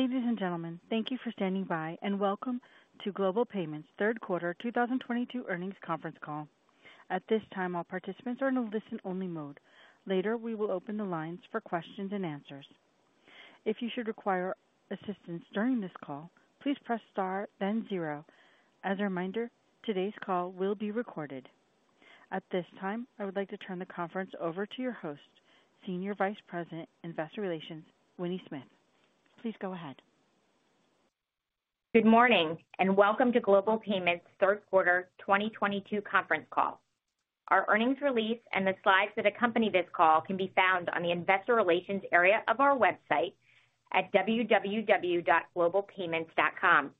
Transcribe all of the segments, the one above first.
Ladies and gentlemen, thank you for standing by and welcome to Global Payments' third quarter 2022 earnings conference call. At this time, all participants are in a listen-only mode. Later, we will open the lines for questions and answers. If you should require assistance during this call, please press star then zero. As a reminder, today's call will be recorded. At this time, I would like to turn the conference over to your host, Senior Vice President, Investor Relations, Winnie Smith. Please go ahead. Good morning and welcome to Global Payments' third quarter 2022 conference call. Our earnings release and the slides that accompany this call can be found on the investor relations area of our website at www.globalpayments.com.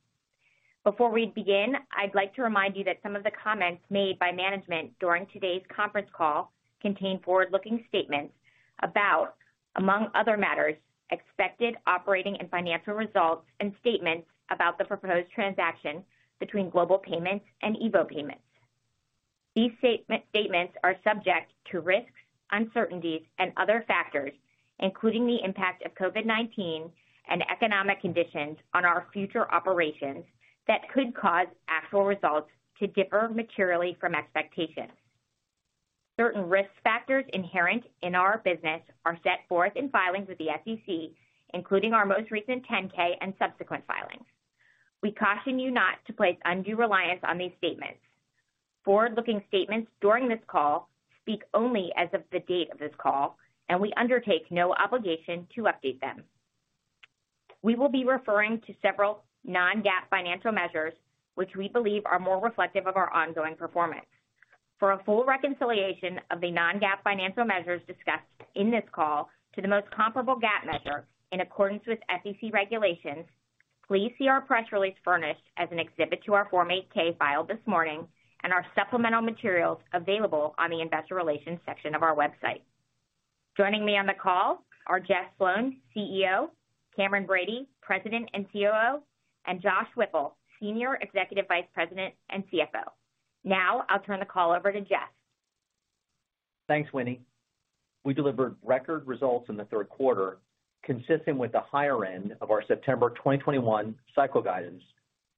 Before we begin, I'd like to remind you that some of the comments made by management during today's conference call contain forward-looking statements about, among other matters, expected operating and financial results and statements about the proposed transaction between Global Payments and EVO Payments. These statements are subject to risks, uncertainties and other factors, including the impact of COVID-19 and economic conditions on our future operations that could cause actual results to differ materially from expectations. Certain risk factors inherent in our business are set forth in filings with the SEC, including our most recent 10-K and subsequent filings. We caution you not to place undue reliance on these statements. Forward-looking statements during this call speak only as of the date of this call, and we undertake no obligation to update them. We will be referring to several non-GAAP financial measures, which we believe are more reflective of our ongoing performance. For a full reconciliation of the non-GAAP financial measures discussed in this call to the most comparable GAAP measure in accordance with SEC regulations, please see our press release furnished as an exhibit to our Form 8-K filed this morning and our supplemental materials available on the investor relations section of our website. Joining me on the call are Jeff Sloan, CEO, Cameron Bready, President and COO, and Josh Whipple, Senior Executive Vice President and CFO. Now I'll turn the call over to Jeff. Thanks, Winnie. We delivered record results in the third quarter, consistent with the higher end of our September 2021 cycle guidance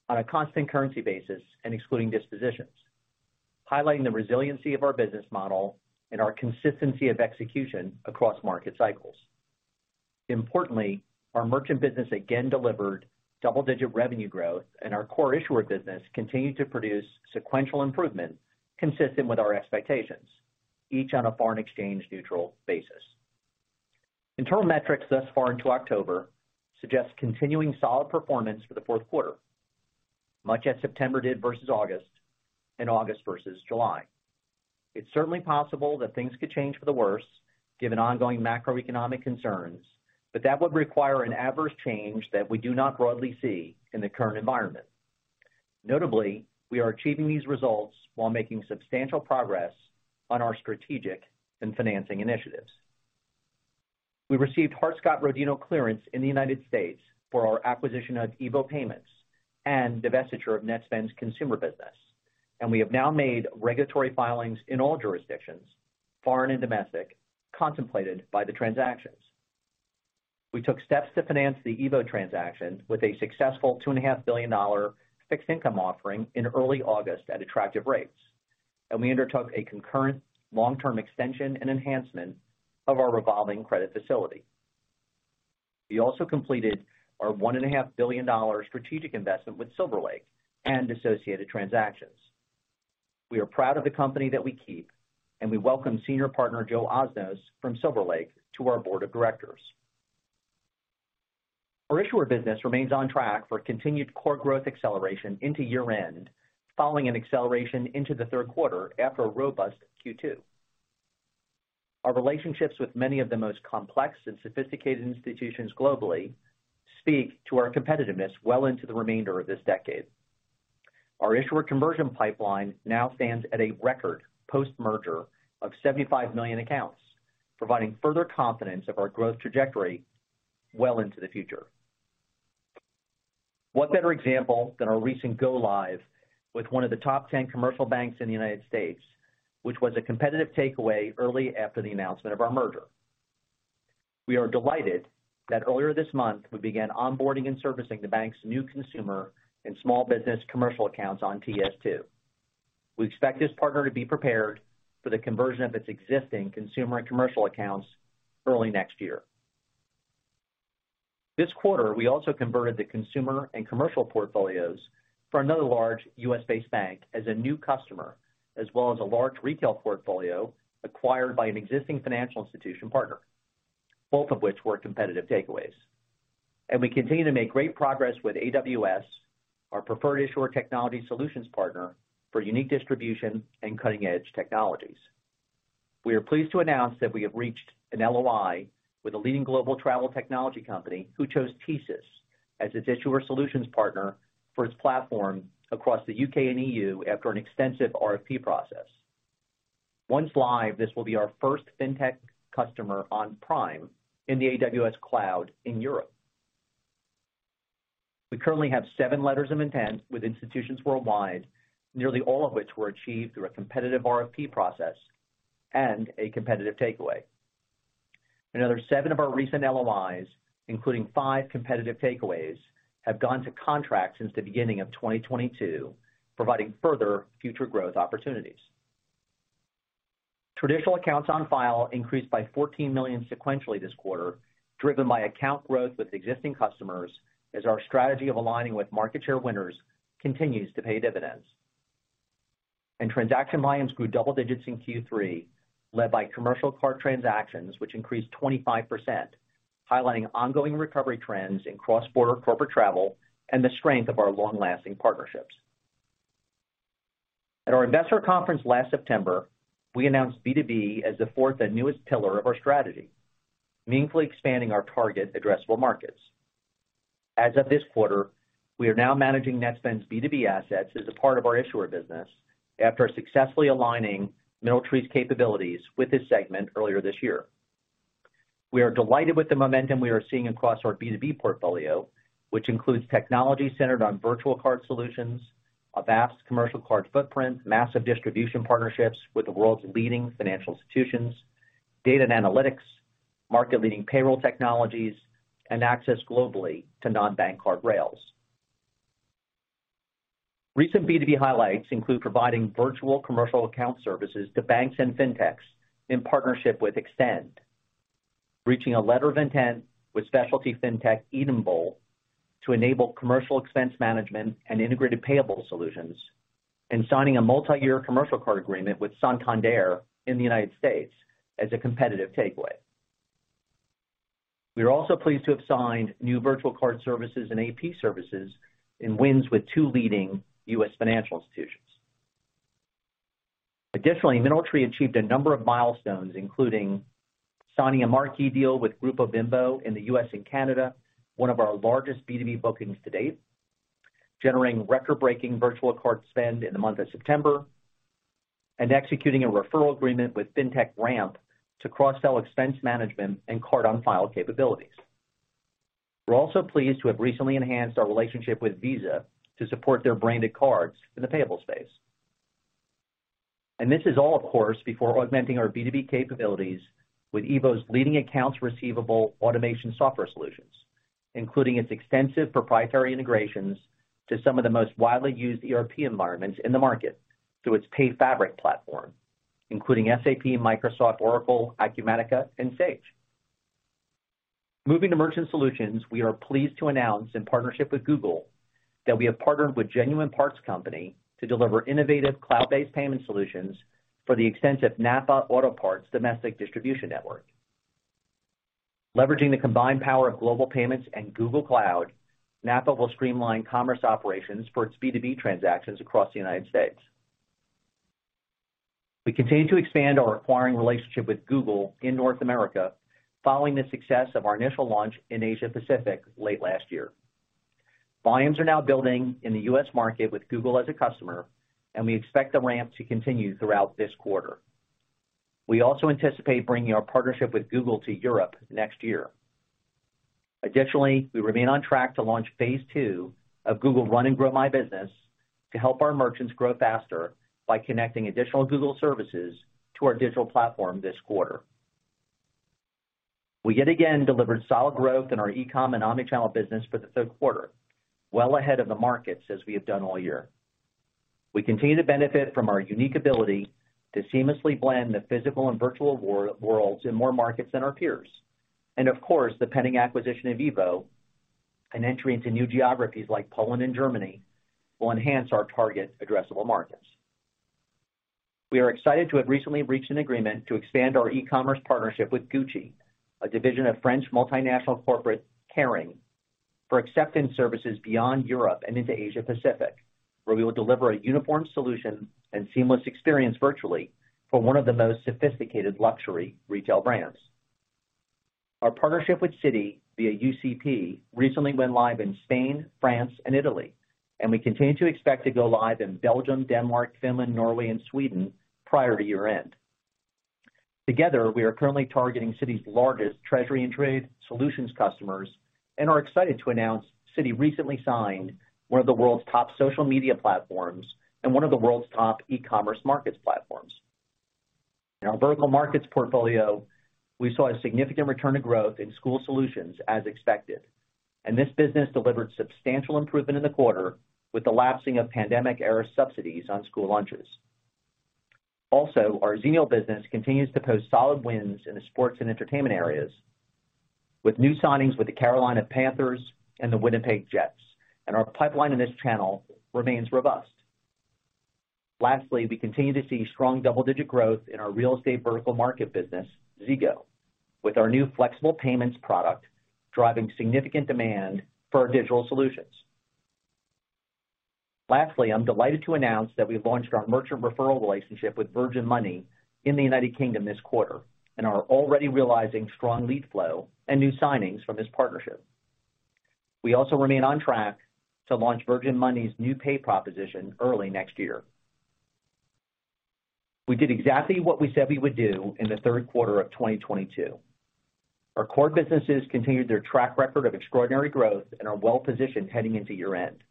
on a constant currency basis and excluding dispositions, highlighting the resiliency of our business model and our consistency of execution across market cycles. Importantly, our merchant business again delivered double-digit revenue growth, and our core issuer business continued to produce sequential improvement consistent with our expectations, each on a foreign exchange neutral basis. Internal metrics thus far into October suggest continuing solid performance for the fourth quarter, much as September did versus August and August versus July. It's certainly possible that things could change for the worse given ongoing macroeconomic concerns, but that would require an adverse change that we do not broadly see in the current environment. Notably, we are achieving these results while making substantial progress on our strategic and financing initiatives. We received Hart-Scott-Rodino clearance in the United States for our acquisition of EVO Payments and divestiture of Netspend's consumer business. We have now made regulatory filings in all jurisdictions, foreign and domestic, contemplated by the transactions. We took steps to finance the EVO transaction with a successful $2.5 billion fixed income offering in early August at attractive rates. We undertook a concurrent long-term extension and enhancement of our revolving credit facility. We also completed our $1.5 billion strategic investment with Silver Lake and associated transactions. We are proud of the company that we keep, and we welcome Senior Partner Joe Osnoss from Silver Lake to our board of directors. Our issuer business remains on track for continued core growth acceleration into year-end, following an acceleration into the third quarter after a robust Q2. Our relationships with many of the most complex and sophisticated institutions globally speak to our competitiveness well into the remainder of this decade. Our issuer conversion pipeline now stands at a record post-merger of 75 million accounts, providing further confidence of our growth trajectory well into the future. What better example than our recent go-live with one of the top 10 commercial banks in the United States, which was a competitive takeaway early after the announcement of our merger. We are delighted that earlier this month, we began onboarding and servicing the bank's new consumer and small business commercial accounts on TS2. We expect this partner to be prepared for the conversion of its existing consumer and commercial accounts early next year. This quarter, we also converted the consumer and commercial portfolios for another large U.S. based bank as a new customer, as well as a large retail portfolio acquired by an existing financial institution partner, both of which were competitive takeaways. We continue to make great progress with AWS, our preferred issuer technology solutions partner for unique distribution and cutting-edge technologies. We are pleased to announce that we have reached an LOI with a leading global travel technology company who chose TSYS as its issuer solutions partner for its platform across the U.K. and E.U. after an extensive RFP process. Once live, this will be our first Fintech customer on Prime in the AWS cloud in Europe. We currently have seven letters of intent with institutions worldwide, nearly all of which were achieved through a competitive RFP process and a competitive takeaway. Another 7 of our recent LOIs, including 5 competitive takeaways, have gone to contract since the beginning of 2022, providing further future growth opportunities. Traditional accounts on file increased by 14 million sequentially this quarter, driven by account growth with existing customers as our strategy of aligning with market share winners continues to pay dividends. Transaction volumes grew double digits in Q3, led by commercial card transactions, which increased 25%, highlighting ongoing recovery trends in cross-border corporate travel and the strength of our long-lasting partnerships. At our investor conference last September, we announced B2B as the fourth and newest pillar of our strategy, meaningfully expanding our target addressable markets. As of this quarter, we are now managing Netspend's B2B assets as a part of our issuer business after successfully aligning MineralTree's capabilities with this segment earlier this year. We are delighted with the momentum we are seeing across our B2B portfolio, which includes technology centered on virtual card solutions, a vast commercial card footprint, massive distribution partnerships with the world's leading financial institutions, data and analytics, market-leading payroll technologies, and access globally to non-bank card rails. Recent B2B highlights include providing virtual commercial account services to banks and Fintechs in partnership with Extend, reaching a letter of intent with specialty Fintech Edenred to enable commercial expense management and integrated payable solutions, and signing a multi-year commercial card agreement with Santander in the United States as a competitive takeaway. We are also pleased to have signed new virtual card services and AP services in wins with two leading U.S. financial institutions. MineralTree achieved a number of milestones, including signing a marquee deal with Grupo Bimbo in the U.S. and Canada, one of our largest B2B bookings to date, generating record-breaking virtual card spend in the month of September, and executing a referral agreement with Ramp to cross-sell expense management and card on file capabilities. We're also pleased to have recently enhanced our relationship with Visa to support their branded cards in the payable space. This is all, of course, before augmenting our B2B capabilities with EVO's leading accounts receivable automation software solutions, including its extensive proprietary integrations to some of the most widely used ERP environments in the market through its PayFabric platform, including SAP, Microsoft, Oracle, Acumatica, and Sage. Moving to Merchant Solutions, we are pleased to announce in partnership with Google that we have partnered with Genuine Parts Company to deliver innovative cloud-based payment solutions for the extensive NAPA Auto Parts domestic distribution network. Leveraging the combined power of Global Payments and Google Cloud, NAPA will streamline commerce operations for its B2B transactions across the United States. We continue to expand our acquiring relationship with Google in North America following the success of our initial launch in Asia Pacific late last year. Volumes are now building in the U.S. market with Google as a customer, and we expect the ramp to continue throughout this quarter. We also anticipate bringing our partnership with Google to Europe next year. Additionally, we remain on track to launch phase two of Google Run and Grow My Business to help our merchants grow faster by connecting additional Google services to our digital platform this quarter. We yet again delivered solid growth in our e-com and omnichannel business for the third quarter, well ahead of the markets as we have done all year. We continue to benefit from our unique ability to seamlessly blend the physical and virtual worlds in more markets than our peers. Of course, the pending acquisition of EVO and entry into new geographies like Poland and Germany will enhance our target addressable markets. We are excited to have recently reached an agreement to expand our e-commerce partnership with Gucci, a division of French multinational corporation Kering, for acceptance services beyond Europe and into Asia Pacific, where we will deliver a unified solution and seamless experience virtually for one of the most sophisticated luxury retail brands. Our partnership with Citi via UCP recently went live in Spain, France, and Italy, and we continue to expect to go live in Belgium, Denmark, Finland, Norway, and Sweden prior to year-end. Together, we are currently targeting Citi's largest treasury and trade solutions customers and are excited to announce Citi recently signed one of the world's top social media platforms and one of the world's top e-commerce marketplace platforms. In our vertical markets portfolio, we saw a significant return to growth in school solutions as expected, and this business delivered substantial improvement in the quarter with the lapsing of pandemic-era subsidies on school lunches. Also, our Xenial business continues to post solid wins in the sports and entertainment areas with new signings with the Carolina Panthers and the Winnipeg Jets, and our pipeline in this channel remains robust. Lastly, we continue to see strong double-digit growth in our real estate vertical market business, Zego, with our new flexible payments product driving significant demand for our digital solutions. Lastly, I'm delighted to announce that we've launched our merchant referral relationship with Virgin Money in the United Kingdom this quarter and are already realizing strong lead flow and new signings from this partnership. We also remain on track to launch Virgin Money's new pay proposition early next year. We did exactly what we said we would do in the third quarter of 2022. Our core businesses continued their track record of extraordinary growth and are well-positioned heading into year-end.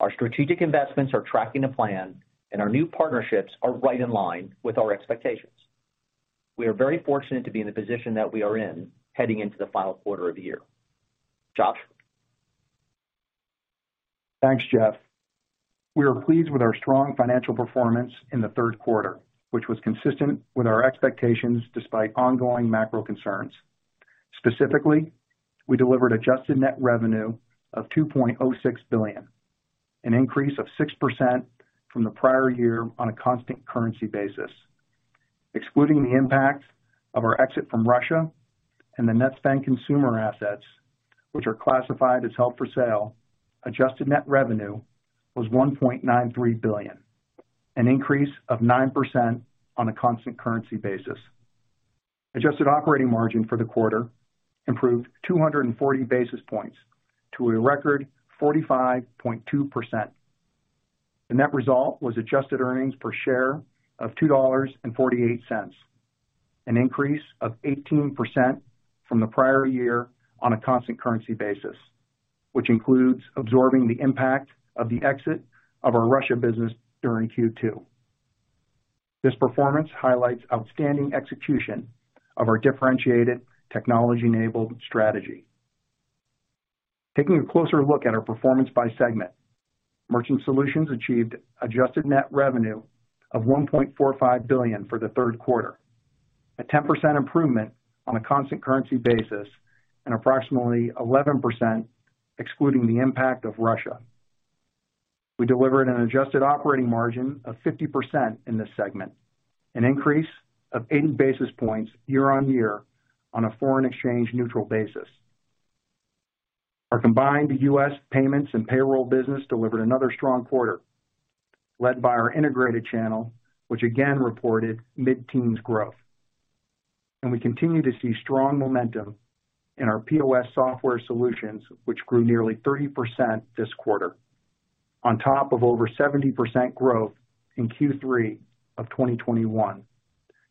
Our strategic investments are tracking to plan, and our new partnerships are right in line with our expectations. We are very fortunate to be in the position that we are in heading into the final quarter of the year. Josh? Thanks, Jeff. We are pleased with our strong financial performance in the third quarter, which was consistent with our expectations despite ongoing macro concerns. Specifically, we delivered adjusted net revenue of $2.06 billion, an increase of 6% from the prior year on a constant currency basis. Excluding the impact of our exit from Russia and the Netspend consumer assets, which are classified as held for sale, adjusted net revenue was $1.93 billion, an increase of 9% on a constant currency basis. Adjusted operating margin for the quarter improved 240 basis points to a record 45.2%. The net result was adjusted earnings per share of $2.48, an increase of 18% from the prior year on a constant currency basis, which includes absorbing the impact of the exit of our Russia business during Q2. This performance highlights outstanding execution of our differentiated technology-enabled strategy. Taking a closer look at our performance by segment. Merchant Solutions achieved adjusted net revenue of $1.45 billion for the third quarter, a 10% improvement on a constant currency basis, and approximately 11% excluding the impact of Russia. We delivered an adjusted operating margin of 50% in this segment, an increase of 80 basis points year-on-year on a foreign exchange neutral basis. Our combined U.S. payments and payroll business delivered another strong quarter, led by our integrated channel, which again reported mid-teens growth. We continue to see strong momentum in our POS software solutions, which grew nearly 30% this quarter, on top of over 70% growth in Q3 of 2021,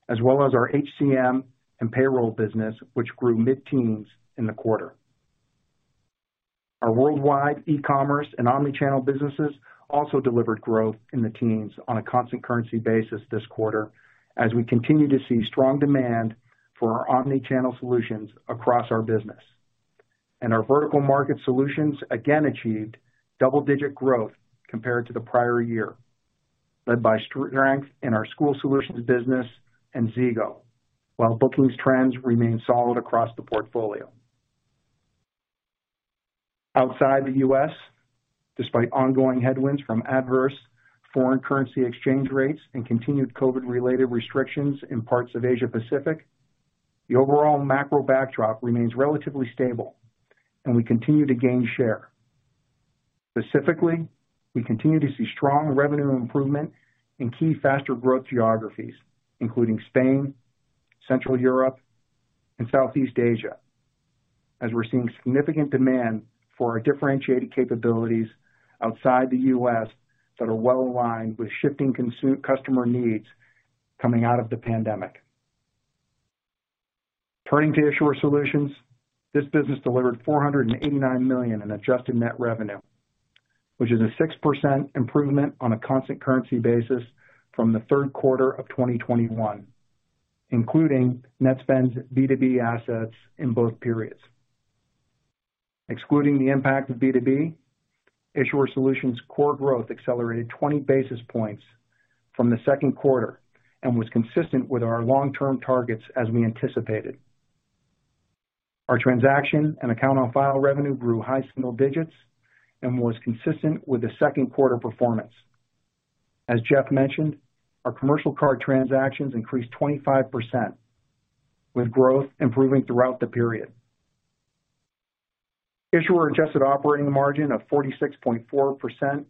as well as our HCM and payroll business, which grew mid-teens in the quarter. Our worldwide e-commerce and omni-channel businesses also delivered growth in the teens on a constant currency basis this quarter, as we continue to see strong demand for our omni-channel solutions across our business. Our vertical market solutions again achieved double-digit growth compared to the prior year, led by strength in our school solutions business and Zego, while bookings trends remain solid across the portfolio. Outside the US, despite ongoing headwinds from adverse foreign currency exchange rates and continued COVID-related restrictions in parts of Asia Pacific, the overall macro backdrop remains relatively stable, and we continue to gain share. Specifically, we continue to see strong revenue improvement in key faster growth geographies, including Spain, Central Europe, and Southeast Asia, as we're seeing significant demand for our differentiated capabilities outside the U.S. that are well-aligned with shifting customer needs coming out of the pandemic. Turning to Issuer Solutions, this business delivered $489 million in adjusted net revenue, which is a 6% improvement on a constant currency basis from the third quarter of 2021, including Netspend's B2B assets in both periods. Excluding the impact of B2B, Issuer Solutions' core growth accelerated 20 basis points from the second quarter and was consistent with our long-term targets as we anticipated. Our transaction and account on file revenue grew high single digits and was consistent with the second quarter performance. As Jeff mentioned, our commercial card transactions increased 25%, with growth improving throughout the period. Issuer adjusted operating margin of 46.4%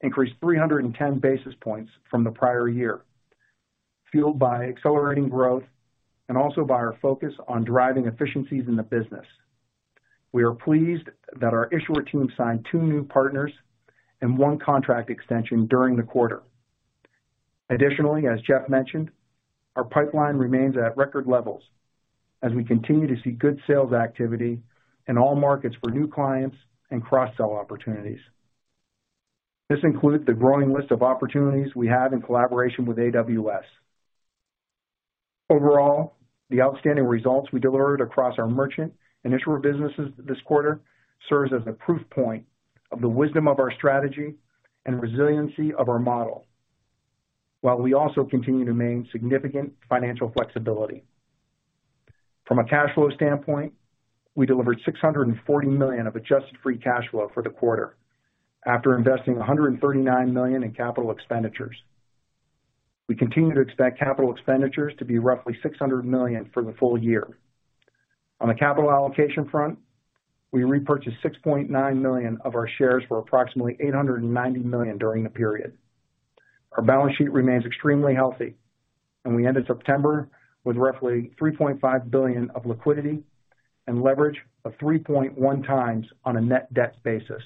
increased 310 basis points from the prior year, fueled by accelerating growth and also by our focus on driving efficiencies in the business. We are pleased that our issuer team signed 2 new partners and one contract extension during the quarter. Additionally, as Jeff mentioned, our pipeline remains at record levels as we continue to see good sales activity in all markets for new clients and cross-sell opportunities. This includes the growing list of opportunities we have in collaboration with AWS. Overall, the outstanding results we delivered across our merchant and issuer businesses this quarter serves as a proof point of the wisdom of our strategy and resiliency of our model, while we also continue to maintain significant financial flexibility. From a cash flow standpoint, we delivered $640 million of adjusted free cash flow for the quarter after investing $139 million in capital expenditures. We continue to expect capital expenditures to be roughly $600 million for the full year. On the capital allocation front, we repurchased 6.9 million of our shares for approximately $890 million during the period. Our balance sheet remains extremely healthy, and we ended September with roughly $3.5 billion of liquidity and leverage of 3.1x on a net debt basis.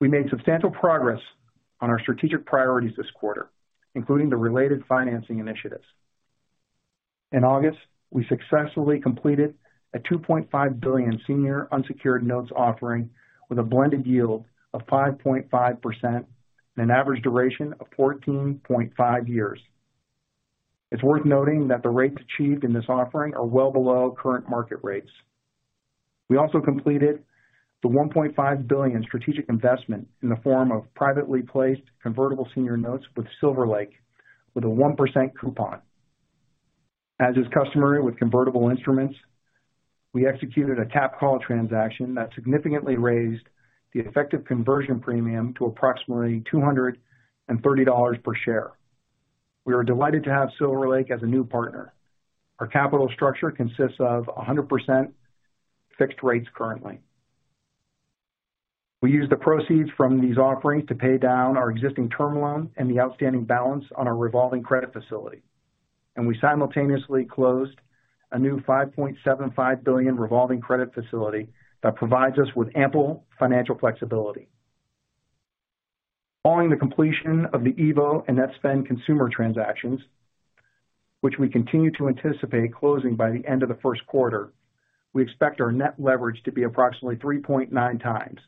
We made substantial progress on our strategic priorities this quarter, including the related financing initiatives. In August, we successfully completed a $2.5 billion senior unsecured notes offering with a blended yield of 5.5% and an average duration of 14.5 years. It's worth noting that the rates achieved in this offering are well below current market rates. We also completed the $1.5 billion strategic investment in the form of privately placed convertible senior notes with Silver Lake with a 1% coupon. As is customary with convertible instruments, we executed a cap call transaction that significantly raised the effective conversion premium to approximately $230 per share. We are delighted to have Silver Lake as a new partner. Our capital structure consists of 100% fixed rates currently. We use the proceeds from these offerings to pay down our existing term loan and the outstanding balance on our revolving credit facility. We simultaneously closed a new $5.75 billion revolving credit facility that provides us with ample financial flexibility. Following the completion of the EVO and Netspend consumer transactions, which we continue to anticipate closing by the end of the first quarter, we expect our net leverage to be approximately 3.9x.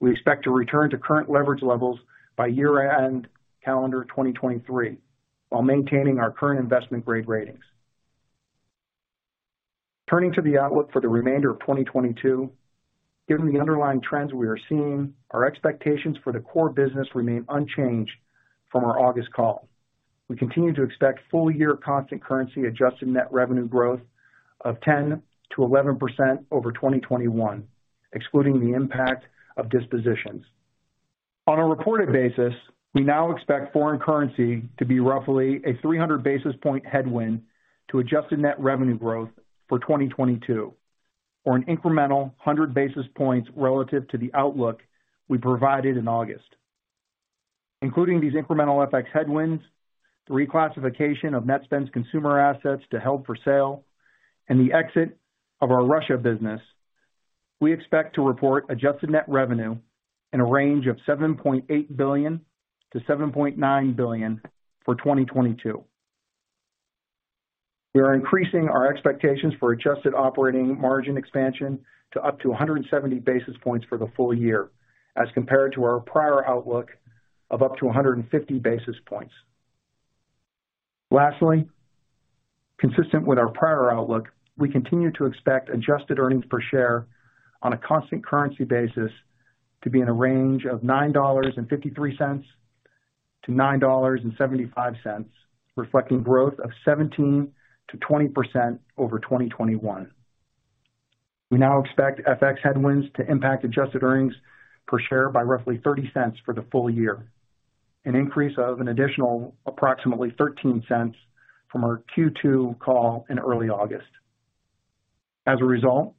We expect to return to current leverage levels by year-end calendar 2023, while maintaining our current investment-grade ratings. Turning to the outlook for the remainder of 2022, given the underlying trends we are seeing, our expectations for the core business remain unchanged from our August call. We continue to expect full-year constant currency adjusted net revenue growth of 10%-11% over 2021, excluding the impact of dispositions. On a reported basis, we now expect foreign currency to be roughly a 300 basis point headwind to adjusted net revenue growth for 2022 or an incremental 100 basis points relative to the outlook we provided in August. Including these incremental FX headwinds, the reclassification of Netspend's consumer assets to held for sale, and the exit of our Russia business, we expect to report adjusted net revenue in a range of $7.8 billion-$7.9 billion for 2022. We are increasing our expectations for adjusted operating margin expansion to up to 170 basis points for the full year as compared to our prior outlook of up to 150 basis points. Lastly, consistent with our prior outlook, we continue to expect adjusted earnings per share on a constant currency basis to be in a range of $9.53-$9.75, reflecting growth of 17%-20% over 2021. We now expect FX headwinds to impact adjusted earnings per share by roughly $0.30 for the full year, an increase of an additional approximately $0.13 from our Q2 call in early August. As a result,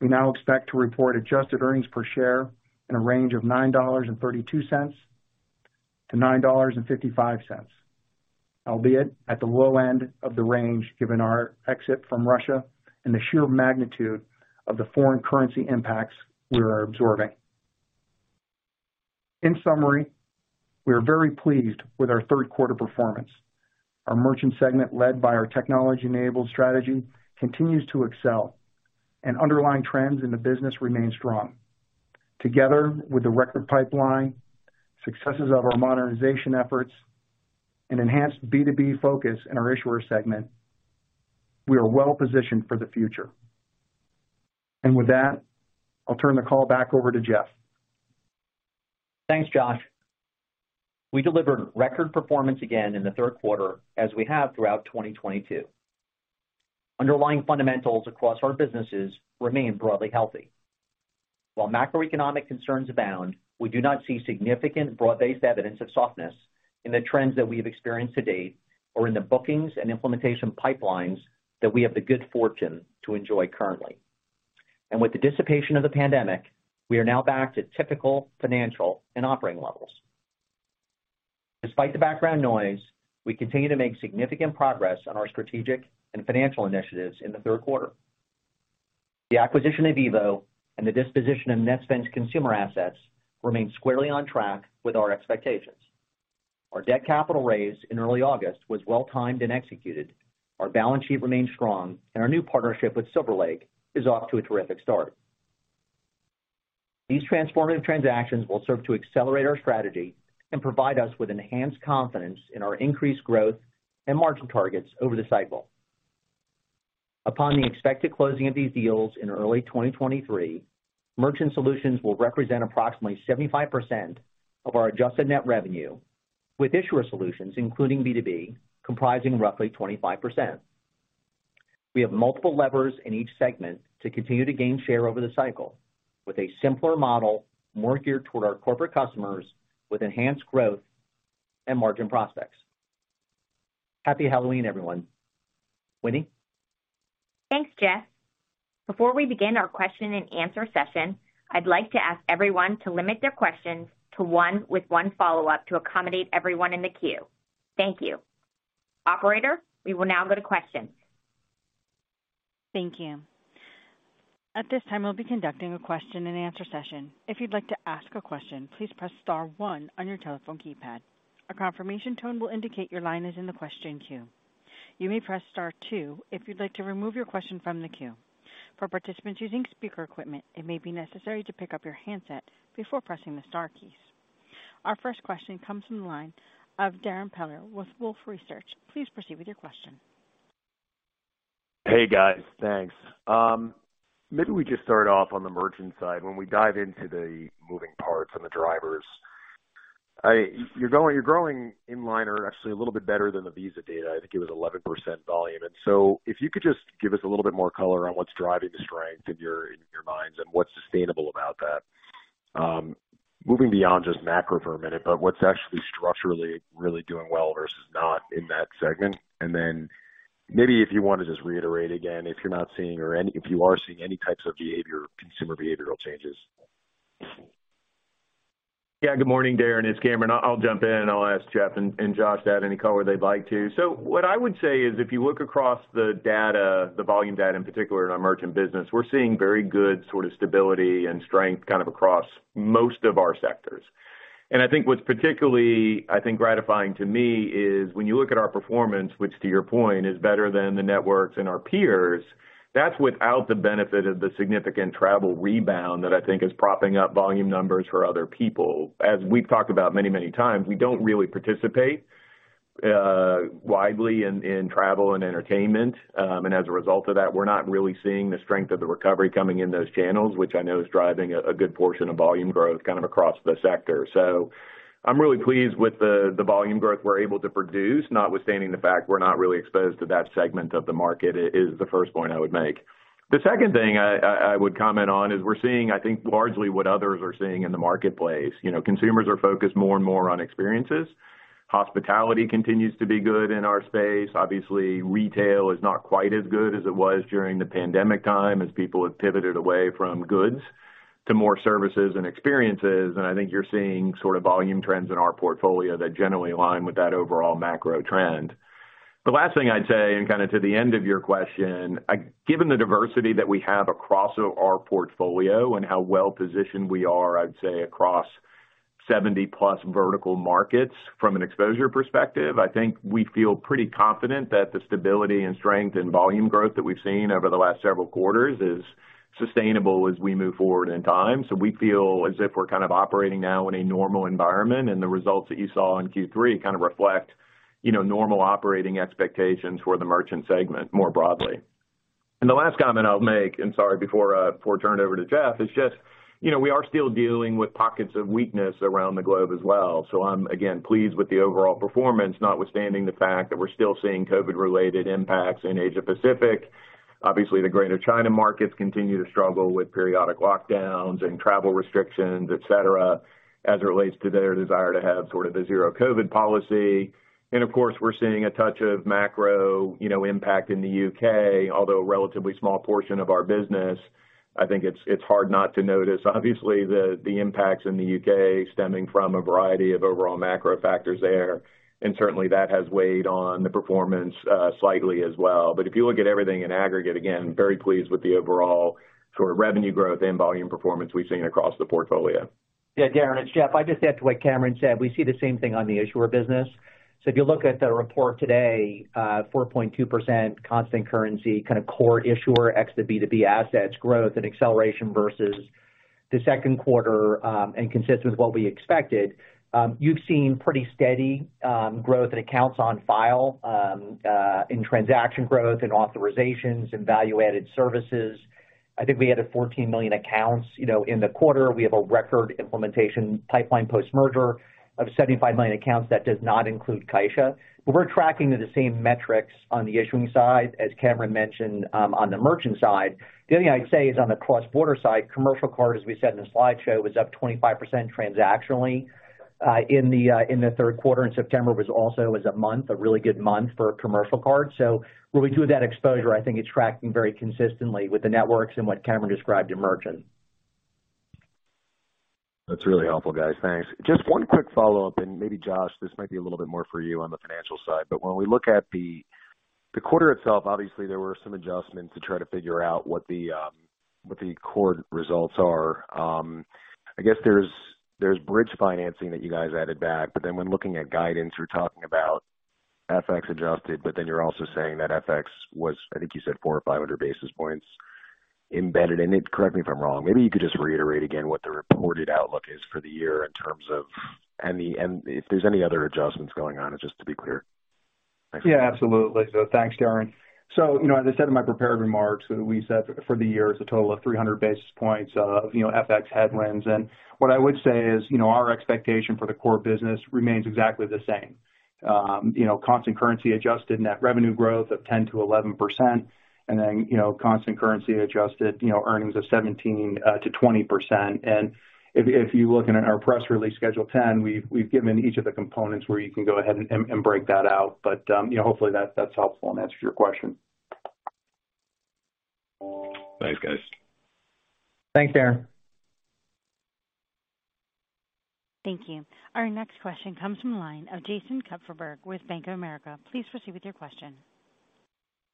we now expect to report adjusted earnings per share in a range of $9.32-$9.55, albeit at the low end of the range, given our exit from Russia and the sheer magnitude of the foreign currency impacts we are absorbing. In summary, we are very pleased with our third quarter performance. Our merchant segment, led by our technology-enabled strategy, continues to excel, and underlying trends in the business remain strong. Together with the record pipeline, successes of our modernization efforts, and enhanced B2B focus in our issuer segment, we are well positioned for the future. With that, I'll turn the call back over to Jeff. Thanks Josh. We delivered record performance again in the third quarter as we have throughout 2022. Underlying fundamentals across our businesses remain broadly healthy. While macroeconomic concerns abound, we do not see significant broad-based evidence of softness in the trends that we have experienced to date or in the bookings and implementation pipelines that we have the good fortune to enjoy currently. With the dissipation of the pandemic, we are now back to typical financial and operating levels. Despite the background noise, we continue to make significant progress on our strategic and financial initiatives in the third quarter. The acquisition of EVO and the disposition of Netspend's consumer assets remain squarely on track with our expectations. Our debt capital raise in early August was well-timed and executed. Our balance sheet remains strong and our new partnership with Silver Lake is off to a terrific start. These transformative transactions will serve to accelerate our strategy and provide us with enhanced confidence in our increased growth and margin targets over the cycle. Upon the expected closing of these deals in early 2023, Merchant Solutions will represent approximately 75% of our adjusted net revenue, with Issuer Solutions, including B2B, comprising roughly 25%. We have multiple levers in each segment to continue to gain share over the cycle with a simpler model more geared toward our corporate customers with enhanced growth and margin prospects. Happy Halloween, everyone. Winnie? Thanks Jeff. Before we begin our question and answer session, I'd like to ask everyone to limit their questions to one with one follow-up to accommodate everyone in the queue. Thank you. Operator, we will now go to questions. Thank you. At this time, we'll be conducting a question-and-answer session. If you'd like to ask a question, please press star one on your telephone keypad. A confirmation tone will indicate your line is in the question queue. You may press star two if you'd like to remove your question from the queue. For participants using speaker equipment, it may be necessary to pick up your handset before pressing the star keys. Our first question comes from the line of Darrin Peller with Wolfe Research. Please proceed with your question. Hey, guys. Thanks. Maybe we just start off on the merchant side when we dive into the moving parts and the drivers. You're growing in line or actually a little bit better than the Visa data. I think it was 11% volume. If you could just give us a little bit more color on what's driving the strength in your minds and what's sustainable about that. Moving beyond just macro for a minute, but what's actually structurally really doing well versus not in that segment. Then maybe if you want to just reiterate again if you are seeing any types of behavior, consumer behavioral changes. Yeah. Good morning Darrin It's Cameron. I'll jump in, and I'll ask Jeff and Josh to add any color they'd like to. What I would say is, if you look across the data, the volume data in particular in our merchant business, we're seeing very good sort of stability and strength kind of across most of our sectors. I think what's particularly gratifying to me is when you look at our performance, which to your point is better than the networks and our peers, that's without the benefit of the significant travel rebound that I think is propping up volume numbers for other people. As we've talked about many, many times, we don't really participate widely in travel and entertainment. As a result of that, we're not really seeing the strength of the recovery coming in those channels, which I know is driving a good portion of volume growth kind of across the sector. I'm really pleased with the volume growth we're able to produce, notwithstanding the fact we're not really exposed to that segment of the market is the first point I would make. The second thing I would comment on is we're seeing, I think, largely what others are seeing in the marketplace. You know, consumers are focused more and more on experiences. Hospitality continues to be good in our space. Obviously, retail is not quite as good as it was during the pandemic time as people have pivoted away from goods to more services and experiences. I think you're seeing sort of volume trends in our portfolio that generally align with that overall macro trend. The last thing I'd say, and kinda to the end of your question, I given the diversity that we have across our portfolio and how well-positioned we are, I'd say across 70+ vertical markets from an exposure perspective, I think we feel pretty confident that the stability and strength and volume growth that we've seen over the last several quarters is sustainable as we move forward in time. We feel as if we're kind of operating now in a normal environment, and the results that you saw in Q3 kind of reflect, you know, normal operating expectations for the merchant segment more broadly. The last comment I'll make, and sorry, before I turn it over to Jeff, is just, you know, we are still dealing with pockets of weakness around the globe as well. I'm again pleased with the overall performance, notwithstanding the fact that we're still seeing COVID-related impacts in Asia-Pacific. Obviously, the Greater China markets continue to struggle with periodic lockdowns and travel restrictions, et cetera, as it relates to their desire to have sort of the zero COVID policy. Of course, we're seeing a touch of macro, you know, impact in the U.K., although a relatively small portion of our business. I think it's hard not to notice, obviously, the impacts in the U.K. stemming from a variety of overall macro factors there. Certainly, that has weighed on the performance slightly as well. If you look at everything in aggregate, again, very pleased with the overall sort of revenue growth and volume performance we've seen across the portfolio. Yeah Darrin it's Jeff Sloan. I'd just add to what Cameron Bready said. We see the same thing on the issuer business. If you look at the report today, 4.2% constant currency, kind of core issuer ex the B2B assets growth and acceleration versus the second quarter, and consistent with what we expected. You've seen pretty steady growth in accounts on file, in transaction growth, in authorizations and value-added services. I think we added 14 million accounts, you know, in the quarter. We have a record implementation pipeline post-merger of 75 million accounts that does not include CaixaBank. We're tracking to the same metrics on the issuing side, as Cameron Bready mentioned, on the merchant side. The only thing I'd say is on the cross-border side, commercial card, as we said in the slideshow, was up 25% transactionally in the third quarter. September was also as a month, a really good month for commercial card. Where we do have that exposure, I think it's tracking very consistently with the networks and what Cameron described in merchant. That's really helpful, guys. Thanks. Just one quick follow-up, and maybe Josh, this might be a little bit more for you on the financial side. When we look at the quarter itself, obviously there were some adjustments to try to figure out what the core results are. I guess there's bridge financing that you guys added back, but then when looking at guidance, you're talking about FX adjusted, but then you're also saying that FX was, I think you said 400 or 500 basis points embedded in it. Correct me if I'm wrong. Maybe you could just reiterate again what the reported outlook is for the year in terms of and the, and if there's any other adjustments going on, just to be clear. Thanks. Yeah absolutely. Thanks Darren. You know, as I said in my prepared remarks, we said for the year is a total of 300 basis points of, you know, FX headwinds. What I would say is, you know, our expectation for the core business remains exactly the same. You know, constant currency adjusted net revenue growth of 10%-11%. Then, you know, constant currency adjusted earnings of 17%-20%. If you look in our press release Schedule 10, we've given each of the components where you can go ahead and break that out. You know, hopefully that's helpful and answers your question. Thanks guys. Thanks Darrin. Thank you. Our next question comes from the line of Jason Kupferberg with Bank of America. Please proceed with your question.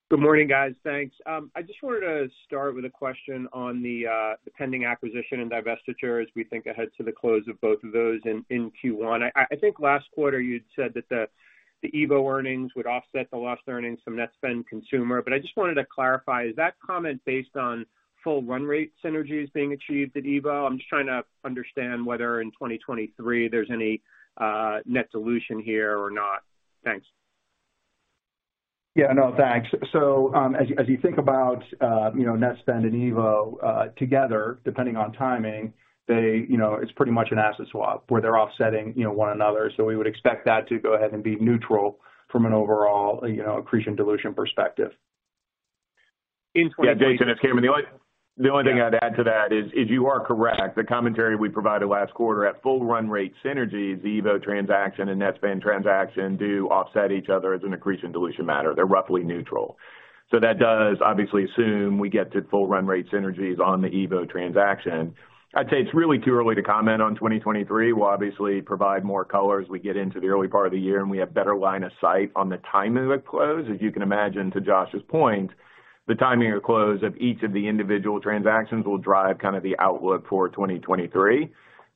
Good morning, guys. Thanks. I just wanted to start with a question on the pending acquisition and divestiture as we think ahead to the close of both of those in Q1. I think last quarter you'd said that the EVO earnings would offset the lost earnings from Netspend consumer. I just wanted to clarify, is that comment based on full run rate synergies being achieved at EVO? I'm just trying to understand whether in 2023 there's any net dilution here or not. Thanks. Yeah. No thanks. As you think about, you know, Netspend and EVO together, depending on timing, they, you know, it's pretty much an asset swap where they're offsetting, you know, one another. We would expect that to go ahead and be neutral from an overall, you know, accretion/dilution perspective. Yeah Jason, it's Cameron. The only thing I'd add to that is you are correct. The commentary we provided last quarter at full run rate synergies, the EVO transaction and Netspend transaction do offset each other as an accretion dilution matter. They're roughly neutral. So that does obviously assume we get to full run rate synergies on the EVO transaction. I'd say it's really too early to comment on 2023. We'll obviously provide more color as we get into the early part of the year, and we have better line of sight on the timing of the close. As you can imagine, to Josh's point, the timing of close of each of the individual transactions will drive kind of the outlook for 2023.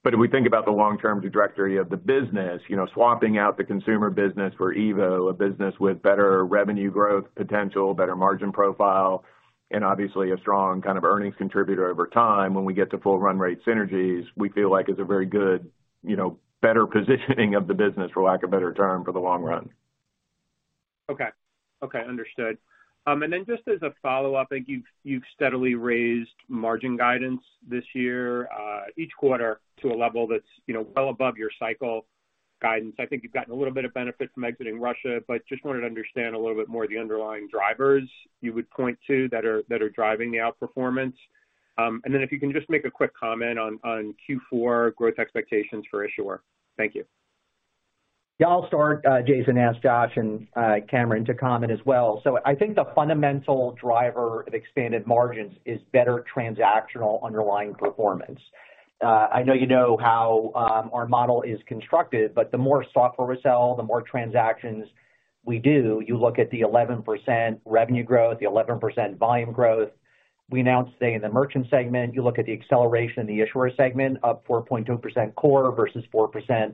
if we think about the long-term trajectory of the business, you know, swapping out the consumer business for EVO, a business with better revenue growth potential, better margin profile, and obviously a strong kind of earnings contributor over time when we get to full run rate synergies, we feel like is a very good, you know, better positioning of the business, for lack of better term, for the long run. Okay. Okay. Understood. Just as a follow-up, I think you've steadily raised margin guidance this year, each quarter to a level that's, you know, well above your cycle guidance. I think you've gotten a little bit of benefit from exiting Russia, but just wanted to understand a little bit more of the underlying drivers you would point to that are driving the outperformance. If you can just make a quick comment on Q4 growth expectations for issuer. Thank you. Yeah I'll start. Jason, ask Josh and Cameron to comment as well. I think the fundamental driver of expanded margins is better transactional underlying performance. I know you know how our model is constructed, but the more software we sell, the more transactions we do. You look at the 11% revenue growth, the 11% volume growth we announced today in the merchant segment. You look at the acceleration in the issuer segment, up 4.2% core versus 4%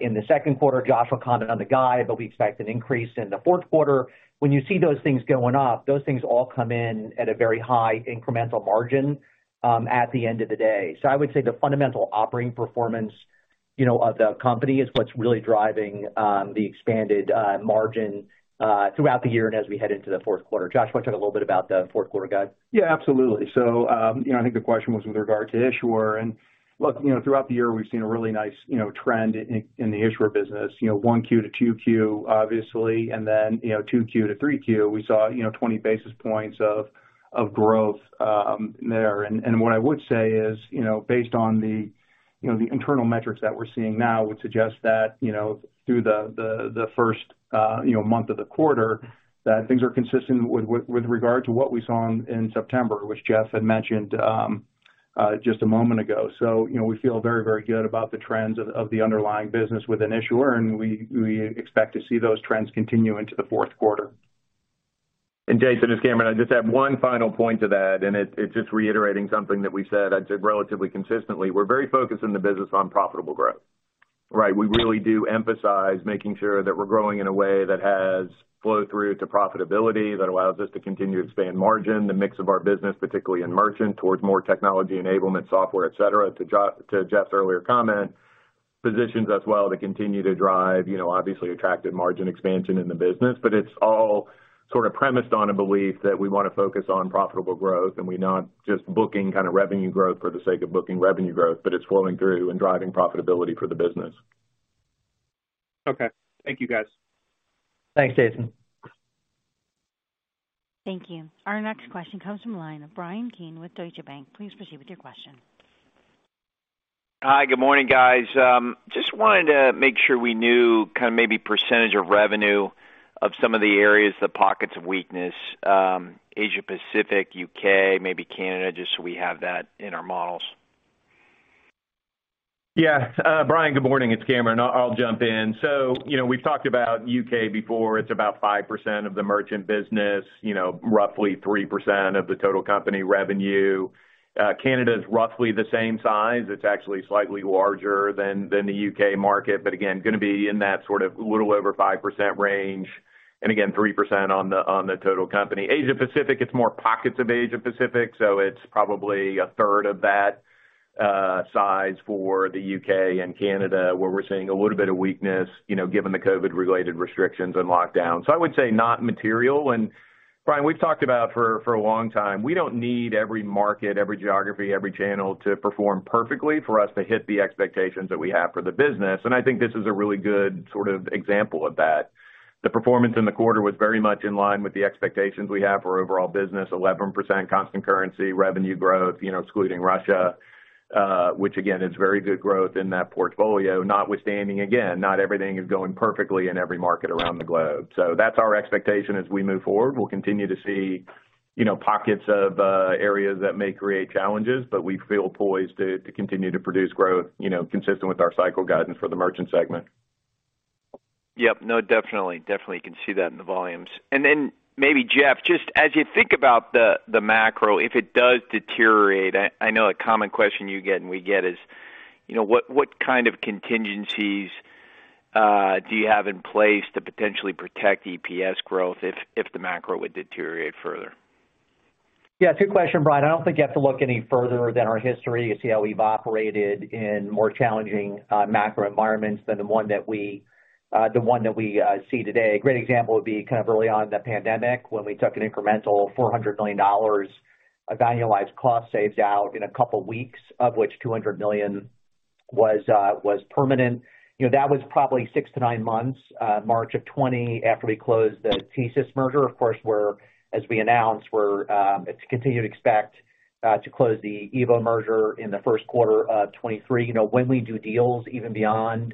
in the second quarter. Josh will comment on the guide, but we expect an increase in the fourth quarter. When you see those things going up, those things all come in at a very high incremental margin at the end of the day. I would say the fundamental operating performance, you know, of the company is what's really driving the expanded margin throughout the year and as we head into the fourth quarter. Josh, want to talk a little bit about the fourth quarter guide? Yeah absolutely. You know, I think the question was with regard to issuer. Look, you know, throughout the year, we've seen a really nice, you know, trend in the issuer business. You know, 1Q to 2Q, obviously, and then, you know, 2Q to 3Q, we saw, you know, 20 basis points of growth there. What I would say is, you know, based on the, you know, the internal metrics that we're seeing now would suggest that, you know, through the first, you know, month of the quarter, that things are consistent with regard to what we saw in September, which Jeff had mentioned just a moment ago. You know, we feel very, very good about the trends of the underlying business within Issuer, and we expect to see those trends continue into the fourth quarter. Jason it's Cameron. I just have one final point to that, and it's just reiterating something that we said I'd say relatively consistently. We're very focused in the business on profitable growth, right? We really do emphasize making sure that we're growing in a way that has flow through to profitability, that allows us to continue to expand margin, the mix of our business, particularly in merchant, towards more technology enablement software, et cetera. To Jeff's earlier comment, positions us well to continue to drive, you know, obviously attractive margin expansion in the business. But it's all sort of premised on a belief that we wanna focus on profitable growth, and we're not just booking kind of revenue growth for the sake of booking revenue growth, but it's flowing through and driving profitability for the business. Okay. Thank you guys. Thanks Jason. Thank you. Our next question comes from the line of Bryan Keane with Deutsche Bank. Please proceed with your question. Hi. Good morning guys. Just wanted to make sure we knew kind of maybe percentage of revenue of some of the areas, the pockets of weakness, Asia Pacific, U.K., maybe Canada, just so we have that in our models. Yeah Brian, good morning. It's Cameron. I'll jump in. You know, we've talked about U.K. before. It's about 5% of the merchant business, you know, roughly 3% of the total company revenue. Canada is roughly the same size. It's actually slightly larger than the U.K. market, but again, gonna be in that sort of little over 5% range, and again, 3% on the total company. Asia Pacific, it's more pockets of Asia Pacific, so it's probably a third of that size for the U.K. and Canada, where we're seeing a little bit of weakness, you know, given the COVID-related restrictions and lockdowns. I would say not material. Bryan we've talked about for a long time, we don't need every market, every geography, every channel to perform perfectly for us to hit the expectations that we have for the business. I think this is a really good sort of example of that. The performance in the quarter was very much in line with the expectations we have for overall business, 11% constant currency revenue growth, you know, excluding Russia, which again, is very good growth in that portfolio, notwithstanding, again, not everything is going perfectly in every market around the globe. That's our expectation as we move forward. We'll continue to see, you know, pockets of areas that may create challenges, but we feel poised to continue to produce growth, you know, consistent with our cycle guidance for the merchant segment. Yep no, definitely can see that in the volumes. Then maybe Jeff, just as you think about the macro, if it does deteriorate, I know a common question you get and we get is, you know, what kind of contingencies do you have in place to potentially protect EPS growth if the macro would deteriorate further? Yeah good question, Bryan. I don't think you have to look any further than our history to see how we've operated in more challenging macro environments than the one that we see today. A great example would be kind of early on in the pandemic when we took an incremental $400 million annualized cost savings out in a couple weeks, of which $200 million was permanent. You know, that was probably six to nine months, March of 2020 after we closed the TSYS merger. Of course, as we announced, we continue to expect to close the EVO merger in the first quarter of 2023. You know, when we do deals even beyond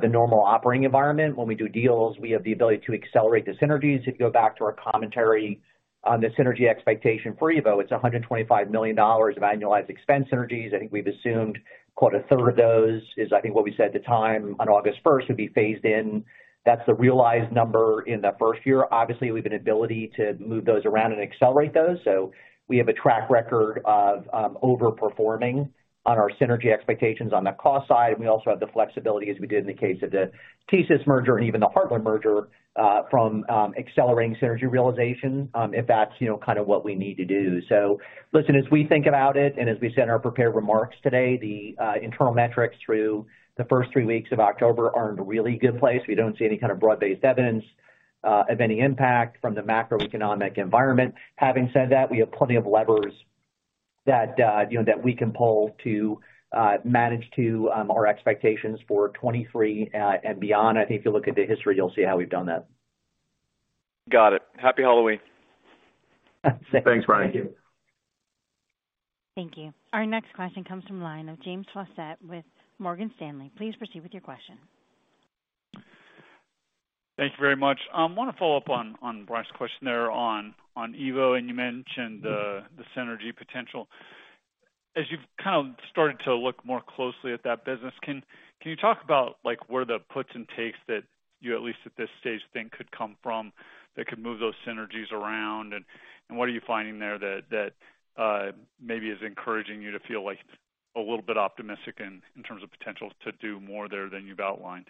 the normal operating environment, when we do deals, we have the ability to accelerate the synergies. If you go back to our commentary on the synergy expectation for EVO, it's $125 million of annualized expense synergies. I think we've assumed, quote, "A third of those," is I think what we said at the time on August first would be phased in. That's the realized number in the first year. Obviously, we have an ability to move those around and accelerate those. We have a track record of overperforming on our synergy expectations on the cost side, and we also have the flexibility, as we did in the case of the TSYS merger and even the Heartland merger, from accelerating synergy realization, if that's, you know, kind of what we need to do. Listen as we think about it, and as we said in our prepared remarks today, the internal metrics through the first three weeks of October are in a really good place. We don't see any kind of broad-based evidence of any impact from the macroeconomic environment. Having said that, we have plenty of levers that you know that we can pull to manage to our expectations for 2023 and beyond. I think if you look at the history, you'll see how we've done that. Got it. Happy Halloween. Same. Thank you. Thanks Bryan. Thank you. Our next question comes from line of James Faucette with Morgan Stanley. Please proceed with your question. Thank you very much. Wanna follow up on Bryan's question there on EVO, and you mentioned the synergy potential. As you've kind of started to look more closely at that business, can you talk about like where the puts and takes that you at least at this stage think could come from that could move those synergies around? What are you finding there that maybe is encouraging you to feel like a little bit optimistic in terms of potential to do more there than you've outlined?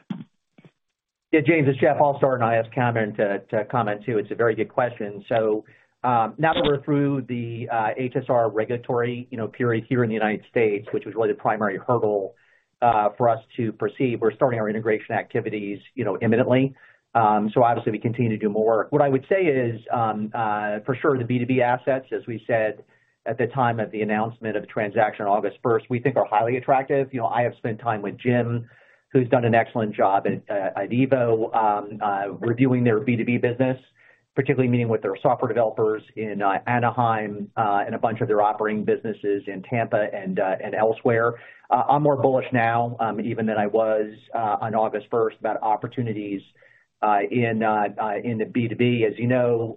Yeah James it's Jeff. I'll start, and I'll ask Cameron to comment, too. It's a very good question. Now that we're through the HSR regulatory, you know, period here in the United States, which was really the primary hurdle for us to proceed, we're starting our integration activities, you know, imminently. Obviously we continue to do more work. What I would say is, for sure the B2B assets, as we said at the time of the announcement of the transaction on August first, we think are highly attractive. You know, I have spent time with Jim, who's done an excellent job at EVO, reviewing their B2B business, particularly meeting with their software developers in Anaheim, and a bunch of their operating businesses in Tampa and elsewhere. I'm more bullish now, even than I was, on August 1 about opportunities, in the B2B. As you know,